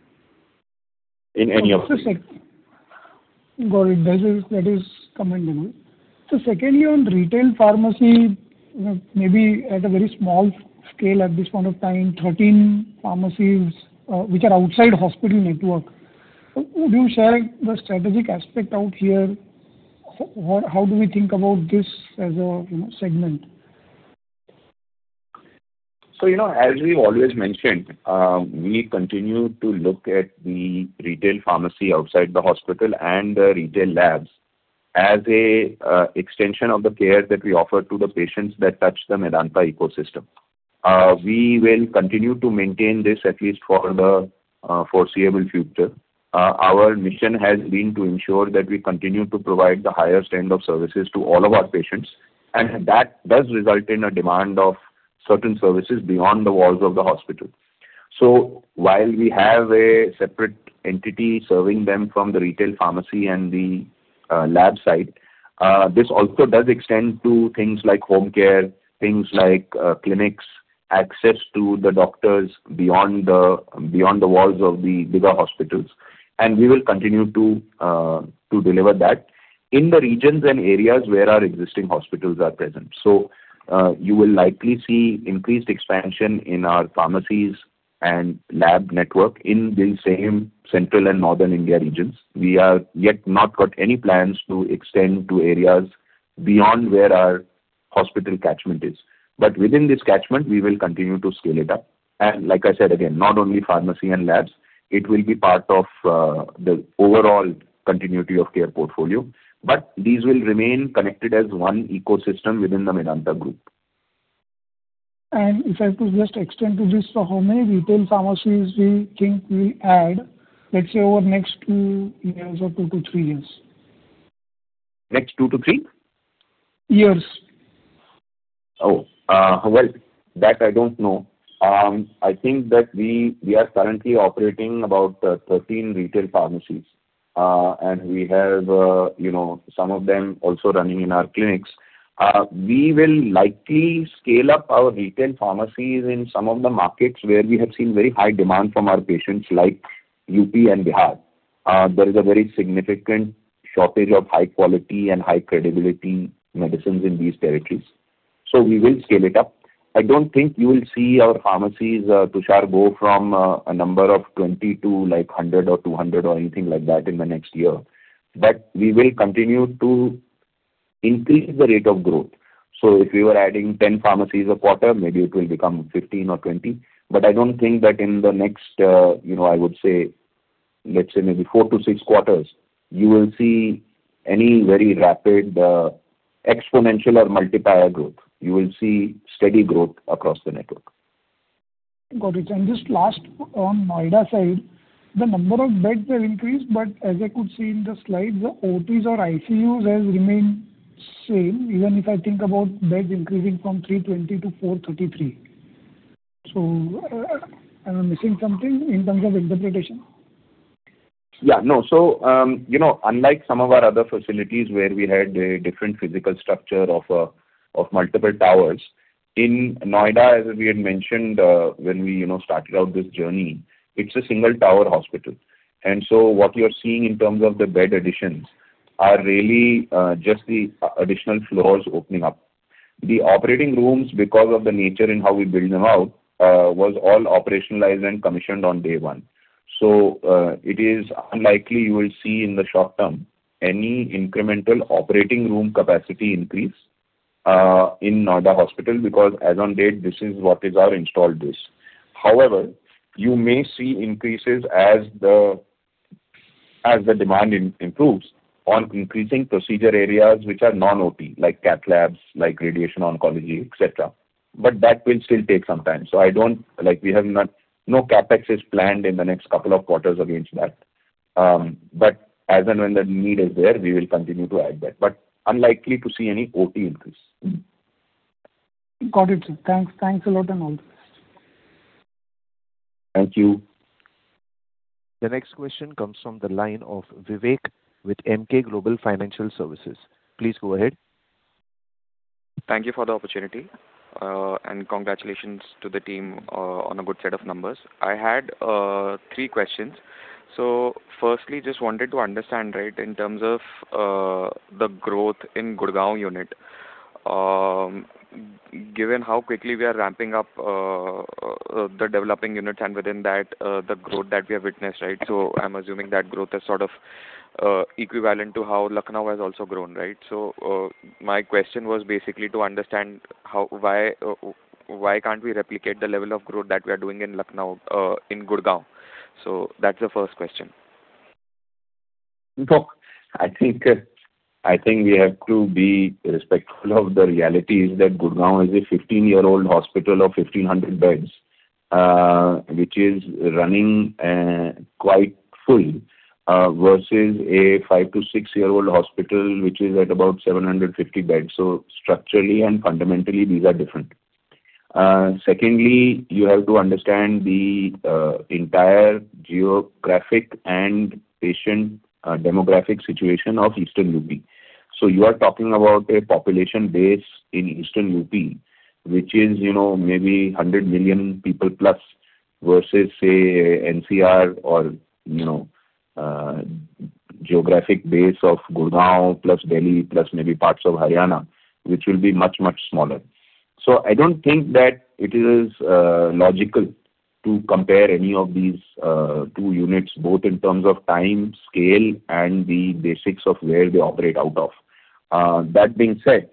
in any of these. Got it. That is commendable. Secondly, on retail pharmacy, maybe at a very small scale at this point of time, 13 pharmacies which are outside hospital network. Would you share the strategic aspect out here? How do we think about this as a segment? As we've always mentioned, we continue to look at the retail pharmacy outside the hospital and the retail labs as a extension of the care that we offer to the patients that touch the Medanta ecosystem. We will continue to maintain this at least for the foreseeable future. Our mission has been to ensure that we continue to provide the highest standard of services to all of our patients, and that does result in a demand of certain services beyond the walls of the hospital. So while we have a separate entity serving them from the retail pharmacy and the lab side, this also does extend to things like home care, things like clinics, access to the doctors beyond the walls of the bigger hospitals. We will continue to deliver that in the regions and areas where our existing hospitals are present. You will likely see increased expansion in our pharmacies and lab network in the same central and Northern India regions. We have yet not got any plans to extend to areas beyond where our hospital catchment is. Within this catchment, we will continue to scale it up. Like I said, again, not only pharmacy and labs, it will be part of the overall continuity of care portfolio. These will remain connected as one ecosystem within the Medanta group. If I could just extend to this, how many retail pharmacies do you think we'll add, let's say, over the next two years or two to three years? Next two to three? Years. Well, that I don't know. I think that we are currently operating about 13 retail pharmacies. We have some of them also running in our clinics. We will likely scale up our retail pharmacies in some of the markets where we have seen very high demand from our patients, like UP and Bihar. There is a very significant shortage of high-quality and high-credibility medicines in these territories. We will scale it up. I don't think you will see our pharmacies, Tushar, go from a number of 20+100 or 200 or anything like that in the next year. We will continue to increase the rate of growth. If we were adding 10 pharmacies a quarter, maybe it will become 15 or 20. I don't think that in the next, I would say, maybe four to six quarters, you will see any very rapid exponential or multiplier growth. You will see steady growth across the network. Got it. Just last on Noida side, the number of beds have increased, but as I could see in the slides, the OTs or ICUs have remained same, even if I think about beds increasing from 320-433. Am I missing something in terms of interpretation? Yeah, no. Unlike some of our other facilities where we had a different physical structure of multiple towers, in Noida, as we had mentioned when we started out this journey, it's a single tower hospital. What you're seeing in terms of the bed additions are really just the additional floors opening up. The operating rooms because of the nature in how we build them out was all operationalized and commissioned on day one. It is unlikely you will see in the short term any incremental operating room capacity increase in Noida hospital because as on date, this is what is our installed base. However, you may see increases as the demand improves on increasing procedure areas which are non-OT, like cath labs, like radiation oncology, et cetera. That will still take some time. No capex is planned in the next couple of quarters against that. As and when the need is there, we will continue to add that. Unlikely to see any OT increase. Got it, sir. Thanks a lot and all the best. Thank you. The next question comes from the line of Vivek with Emkay Global Financial Services. Please go ahead. Thank you for the opportunity. Congratulations to the team on a good set of numbers. I had three questions. Firstly, just wanted to understand in terms of the growth in Gurgaon unit. Given how quickly we are ramping up the developing units and within that the growth that we have witnessed, I'm assuming that growth is sort of equivalent to how Lucknow has also grown? My question was basically to understand why can't we replicate the level of growth that we are doing in Lucknow in Gurgaon. That's the first question. Look, I think we have to be respectful of the realities that Gurgaon is a 15-year-old hospital of 1,500 beds, which is running quite full versus a five to six-year-old hospital which is at about 750 beds. Structurally and fundamentally, these are different. Secondly, you have to understand the entire geographic and patient demographic situation of Eastern U.P. You are talking about a population base in Eastern U.P., which is maybe 100 million people plus versus, say, NCR or geographic base of Gurgaon plus Delhi, plus maybe parts of Haryana, which will be much, much smaller. I don't think that it is logical to compare any of these two units, both in terms of time scale and the basics of where they operate out of. That being said,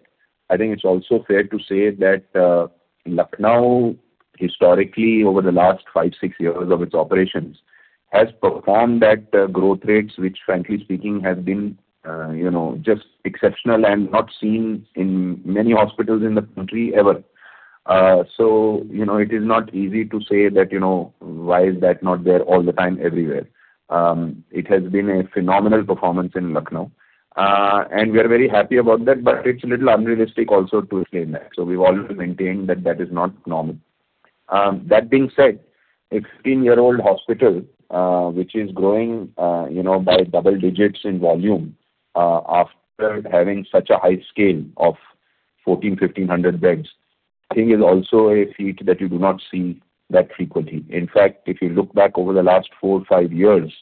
I think it's also fair to say that Lucknow historically over the last five, six years of its operations, has performed at growth rates, which frankly speaking have been just exceptional and not seen in many hospitals in the country ever. It is not easy to say why is that not there all the time everywhere. It has been a phenomenal performance in Lucknow. We are very happy about that, but it's a little unrealistic also to claim that. We've always maintained that that is not normal. That being said, a 15-year-old hospital, which is growing by double digits in volume after having such a high scale of 1,400, 1,500 beds, I think is also a feat that you do not see that frequently. In fact, if you look back over the last four or five years,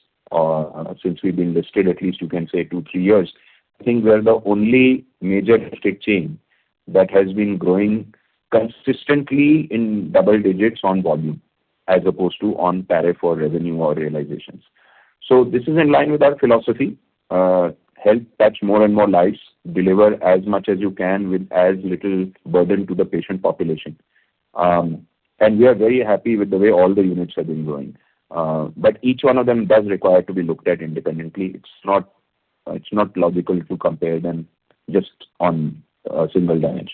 since we've been listed at least you can say two, three years, I think we are the only major listed chain that has been growing consistently in double digits on volume as opposed to on tariff or revenue or realizations. This is in line with our philosophy, help touch more and more lives, deliver as much as you can with as little burden to the patient population. We are very happy with the way all the units have been growing. Each one of them does require to be looked at independently. It's not logical to compare them just on a single dimension.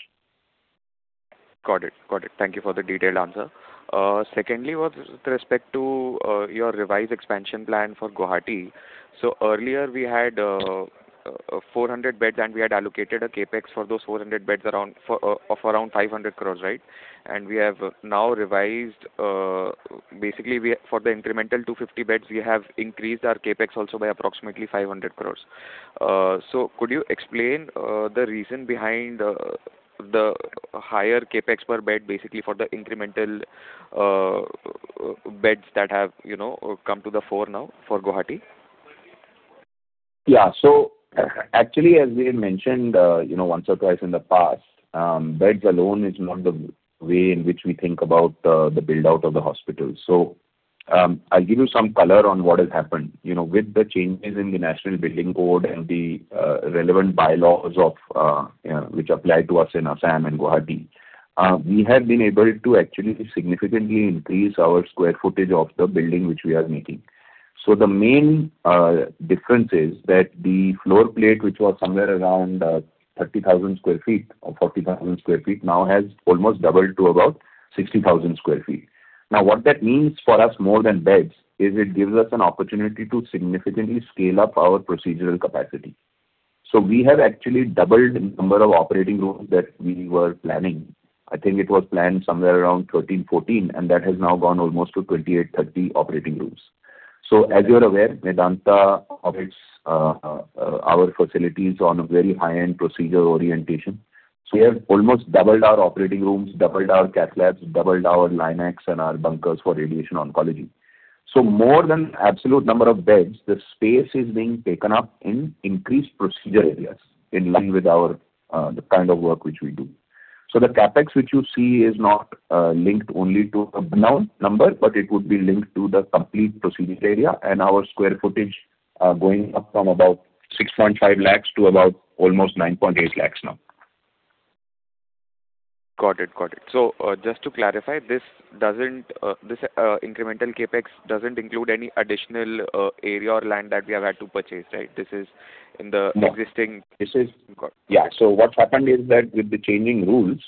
Got it. Thank you for the detailed answer. Secondly, with respect to your revised expansion plan for Guwahati. Earlier we had 400 beds, and we had allocated a CapEx for those 400 beds of around 500 crores, right? We have now revised, basically for the incremental 250 beds, we have increased our CapEx also by approximately 500 crores. Could you explain the reason behind the higher CapEx per bed, basically for the incremental beds that have come to the fore now for Guwahati? Yeah. Actually, as we had mentioned once or twice in the past, beds alone is not the way in which we think about the build-out of the hospital. I'll give you some color on what has happened. With the changes in the National Building Code and the relevant bylaws which apply to us in Assam and Guwahati, we have been able to actually significantly increase our square footage of the building, which we are making. The main difference is that the floor plate, which was somewhere around 30,000 sq ft or 40,000 sq ft, now has almost doubled to about 60,000 sq ft. What that means for us more than beds is it gives us an opportunity to significantly scale up our procedural capacity. We have actually doubled the number of operating rooms that we were planning. I think it was planned somewhere around 13, 14, and that has now gone almost to 28, 30 operating rooms. As you are aware, Medanta operates our facilities on a very high-end procedure orientation. We have almost doubled our operating rooms, doubled our cath labs, doubled our LINACs and our bunkers for radiation oncology. More than absolute number of beds, the space is being taken up in increased procedure areas in line with the kind of work which we do. The CapEx which you see is not linked only to a bed number, but it would be linked to the complete procedure area and our square footage going up from about 6.5 lakhs to about almost 9.8 lakhs now. Got it. Just to clarify, this incremental CapEx doesn't include any additional area or land that we have had to purchase, right? This is in the- No Existing. What happened is that with the changing rules,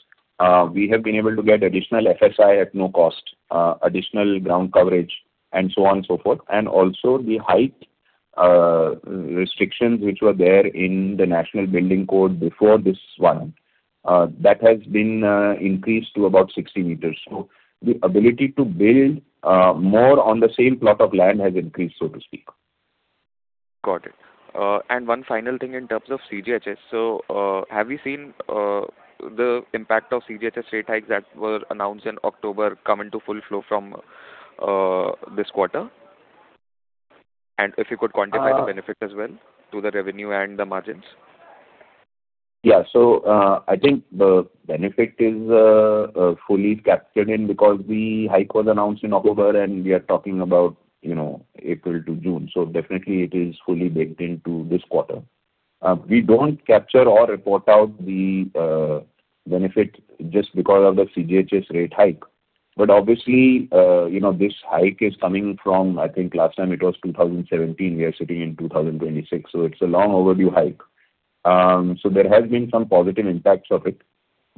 we have been able to get additional FSI at no cost, additional ground coverage, and so on and so forth. Also the height restrictions, which were there in the National Building Code before this one, that has been increased to about 60 m. The ability to build more on the same plot of land has increased, so to speak. Got it. One final thing in terms of CGHS. Have we seen the impact of CGHS rate hike that were announced in October come into full flow from this quarter? If you could quantify the benefit as well to the revenue and the margins. Yeah. I think the benefit is fully captured in because the hike was announced in October, and we are talking about April to June. Definitely it is fully baked into this quarter. We don't capture or report out the benefit just because of the CGHS rate hike. Obviously, this hike is coming from, I think last time it was 2017. We are sitting in 2026, it's a long overdue hike. There has been some positive impacts of it.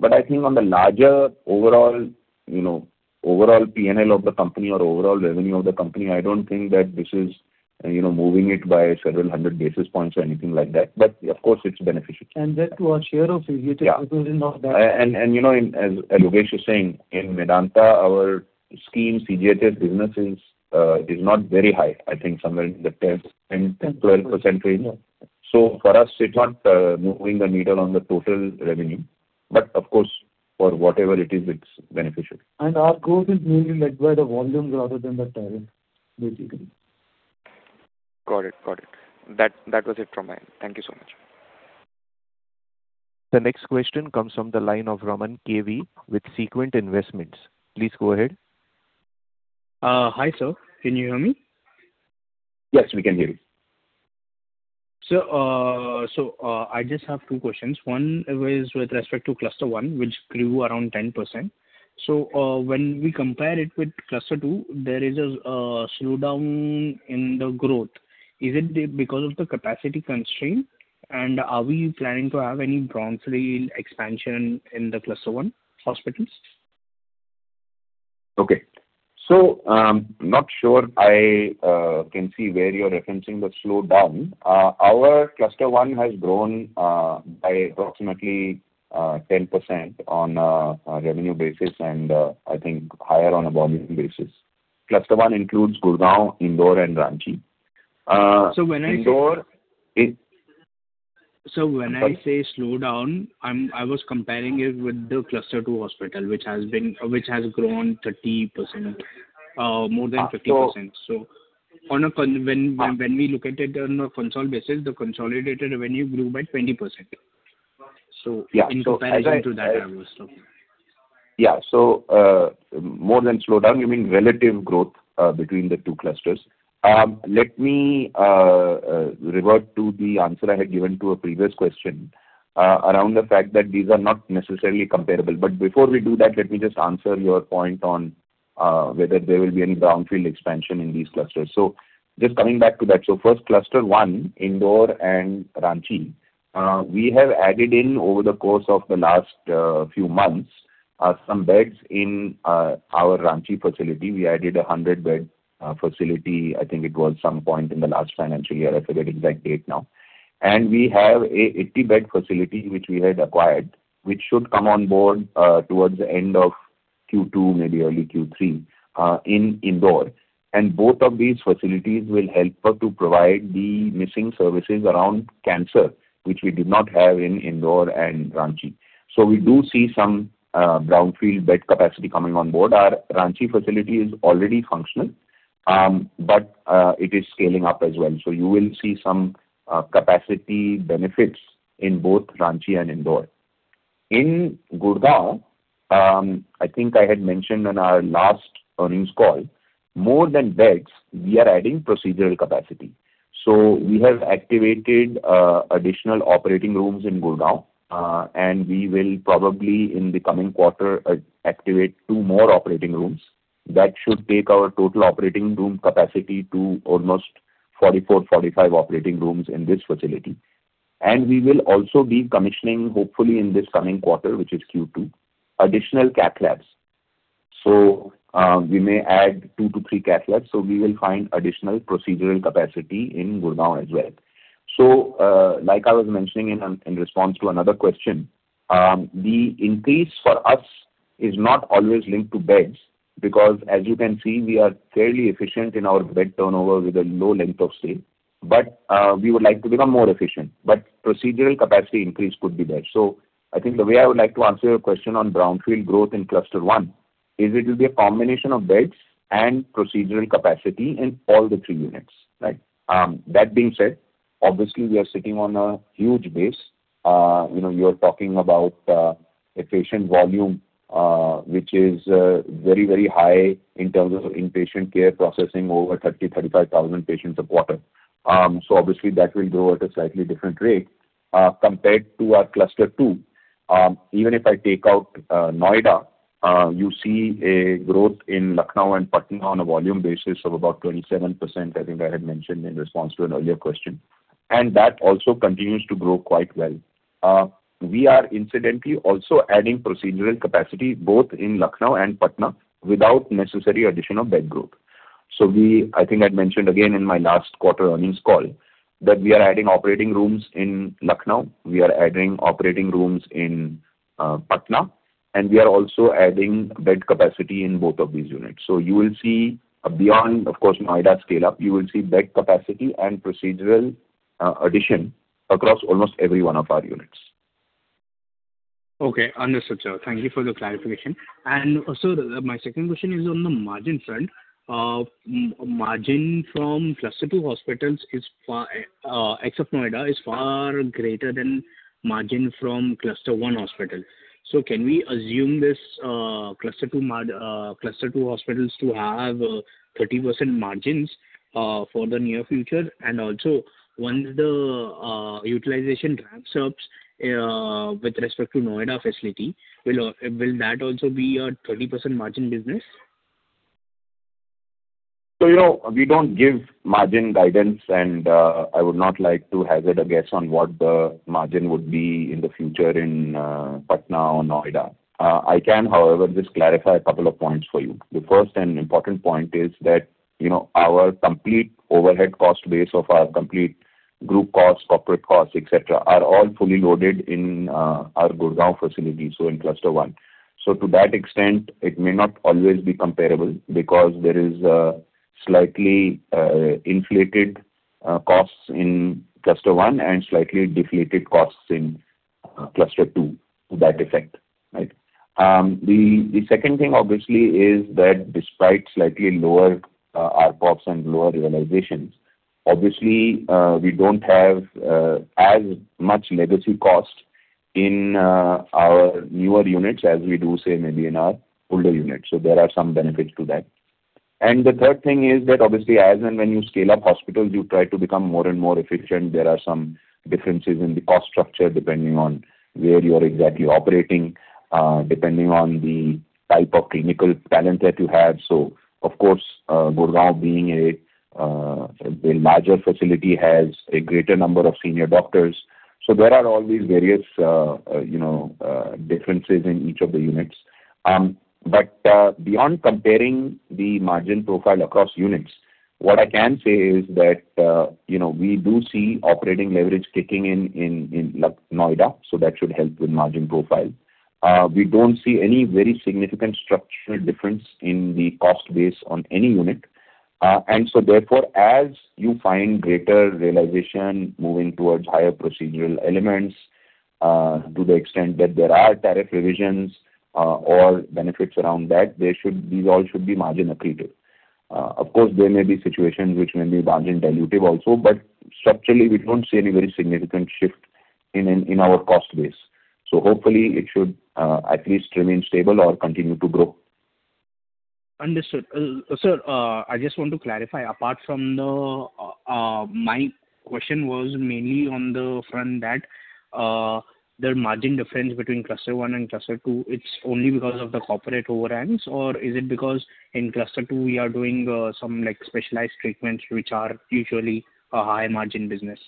I think on the larger overall P&L of the company or overall revenue of the company, I don't think that this is moving it by several hundred basis points or anything like that. Of course, it's beneficial. That was share of CGHS, it wasn't all that. As Yogesh is saying, in Medanta, our scheme CGHS business is not very high. I think somewhere in the 10%, 12% range. For us, it's not moving the needle on the total revenue. Of course, for whatever it is, it's beneficial. Our growth is mainly led by the volumes rather than the tariff, basically. Got it. That was it from my end. Thank you so much. The next question comes from the line of Raman K.V. with Sequent Investments. Please go ahead. Hi, sir. Can you hear me? Yes, we can hear you. Sir, I just have two questions. One is with respect to Cluster 1, which grew around 10%. When we compare it with Cluster 2, there is a slowdown in the growth. Is it because of the capacity constraint? Are we planning to have any brownfield expansion in the Cluster 1 hospitals? Okay, I'm not sure I can see where you're referencing the slowdown. Our Cluster 1 has grown by approximately 10% on a revenue basis and I think higher on a volume basis. Cluster 1 includes Gurgaon, Indore, and Ranchi. Sir, when I say- Indore is- Sir, when I say slowdown, I was comparing it with the Cluster 2 hospital, which has grown 30%, more than 30%. So- When we look at it on a consolidated basis, the consolidated revenue grew by 20%. Yeah. In comparison to that, I was talking. Yeah. More than slowdown, you mean relative growth between the two clusters. Let me revert to the answer I had given to a previous question around the fact that these are not necessarily comparable. Before we do that, let me just answer your point on whether there will be any brownfield expansion in these clusters. Just coming back to that. First, Cluster 1, Indore and Ranchi. We have added in over the course of the last few months, some beds in our Ranchi facility. We added 100-bed facility, I think it was some point in the last financial year. I forget the exact date now. And we have a 80-bed facility which we had acquired, which should come on board towards the end of Q2, maybe early Q3 in Indore. Both of these facilities will help us to provide the missing services around cancer, which we did not have in Indore and Ranchi. We do see some brownfield bed capacity coming on board. Our Ranchi facility is already functional, but it is scaling up as well. You will see some capacity benefits in both Ranchi and Indore. In Gurgaon, I think I had mentioned in our last earnings call, more than beds, we are adding procedural capacity. We have activated additional operating rooms in Gurgaon. We will probably in the coming quarter activate two more operating rooms. That should take our total operating room capacity to almost 44, 45 operating rooms in this facility. We will also be commissioning, hopefully in this coming quarter, which is Q2, additional cath labs. We may add two to three cath labs, so we will find additional procedural capacity in Gurgaon as well. Like I was mentioning in response to another question. The increase for us is not always linked to beds because as you can see, we are fairly efficient in our bed turnover with a low length of stay. We would like to become more efficient, but procedural capacity increase could be there. I think the way I would like to answer your question on brownfield growth in Cluster 1 is it will be a combination of beds and procedural capacity in all the three units, right? That being said, obviously, we are sitting on a huge base. You are talking about a patient volume which is very, very high in terms of inpatient care processing over 30,000, 35,000 patients a quarter. Obviously that will grow at a slightly different rate compared to our Cluster 2. Even if I take out Noida, you see a growth in Lucknow and Patna on a volume basis of about 27%, I think I had mentioned in response to an earlier question, and that also continues to grow quite well. We are incidentally also adding procedural capacity both in Lucknow and Patna without necessary addition of bed group. I think I'd mentioned again in my last quarter earnings call that we are adding operating rooms in Lucknow, we are adding operating rooms in Patna, and we are also adding bed capacity in both of these units. You will see beyond, of course, Noida scale-up, you will see bed capacity and procedural addition across almost every one of our units. Okay. Understood, sir. Thank you for the clarification. Sir, my second question is on the margin front. Margin from Cluster 2 hospitals, except Noida, is far greater than margin from Cluster 1 hospital. Can we assume this Cluster 2 hospitals to have 30% margins for the near future? Also once the utilization ramps up with respect to Noida facility, will that also be a 30% margin business? You know, we don't give margin guidance, and I would not like to hazard a guess on what the margin would be in the future in Patna or Noida. I can, however, just clarify a couple of points for you. The first and important point is that our complete overhead cost base of our complete group costs, corporate costs, et cetera, are all fully loaded in our Gurgaon facility, so in Cluster 1. To that extent it may not always be comparable because there is a slightly inflated costs in Cluster 1 and slightly deflated costs in Cluster 2 to that effect, right? The second thing obviously is that despite slightly lower RPops and lower utilizations, obviously we don't have as much legacy cost in our newer units as we do, say, maybe in our older units. There are some benefits to that. The third thing is that obviously as and when you scale up hospitals, you try to become more and more efficient. There are some differences in the cost structure depending on where you are exactly operating, depending on the type of clinical talent that you have. Of course, Gurgaon being a major facility has a greater number of senior doctors. There are all these various differences in each of the units. Beyond comparing the margin profile across units, what I can say is that we do see operating leverage kicking in Noida, so that should help with margin profile. We don't see any very significant structural difference in the cost base on any unit. Therefore, as you find greater realization moving towards higher procedural elements, to the extent that there are tariff revisions or benefits around that, these all should be margin accretive. Of course, there may be situations which may be margin dilutive also, but structurally, we don't see any very significant shift in our cost base. Hopefully it should at least remain stable or continue to grow. Understood. Sir, I just want to clarify. My question was mainly on the front that the margin difference between Cluster 1 and Cluster 2, it's only because of the corporate overruns, or is it because in Cluster 2 we are doing some specialized treatments which are usually a high-margin business?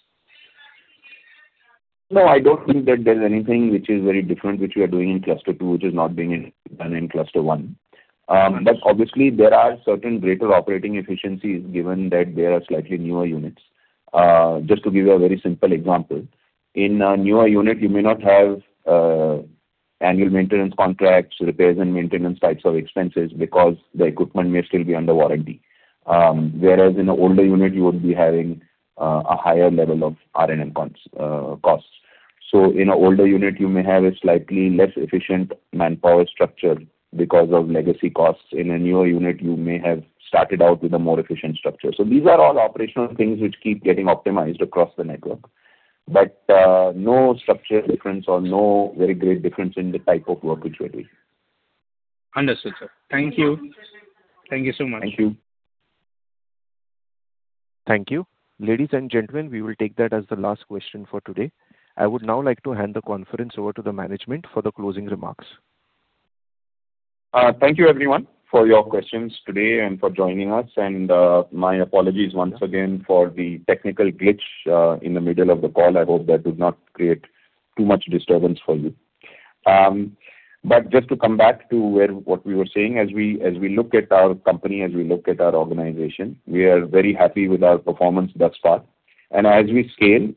No, I don't think that there's anything which is very different, which we are doing in Cluster 2, which is not being done in Cluster 1. Obviously there are certain greater operating efficiencies given that they are slightly newer units. Just to give you a very simple example, in a newer unit, you may not have annual maintenance contracts, repairs and maintenance types of expenses because the equipment may still be under warranty. Whereas in an older unit, you would be having a higher level of R&M costs. In an older unit, you may have a slightly less efficient manpower structure because of legacy costs. In a newer unit, you may have started out with a more efficient structure. These are all operational things which keep getting optimized across the network, but no structural difference or no very great difference in the type of work which we're doing. Understood, sir. Thank you. Thank you so much. Thank you. Thank you. Ladies and gentlemen, we will take that as the last question for today. I would now like to hand the conference over to the management for the closing remarks. Thank you everyone for your questions today and for joining us. My apologies once again for the technical glitch in the middle of the call. I hope that did not create too much disturbance for you. Just to come back to what we were saying, as we look at our company, as we look at our organization, we are very happy with our performance thus far. As we scale,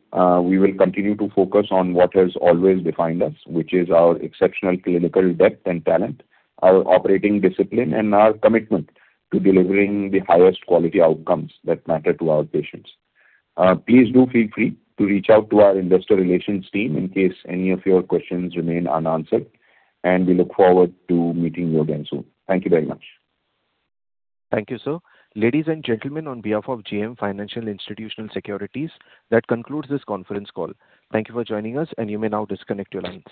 we will continue to focus on what has always defined us, which is our exceptional clinical depth and talent, our operating discipline, and our commitment to delivering the highest quality outcomes that matter to our patients. Please do feel free to reach out to our Investor Relations team in case any of your questions remain unanswered, and we look forward to meeting you again soon. Thank you very much. Thank you, sir. Ladies and gentlemen, on behalf of JM Financial Institutional Securities, that concludes this conference call. Thank you for joining us, and you may now disconnect your line.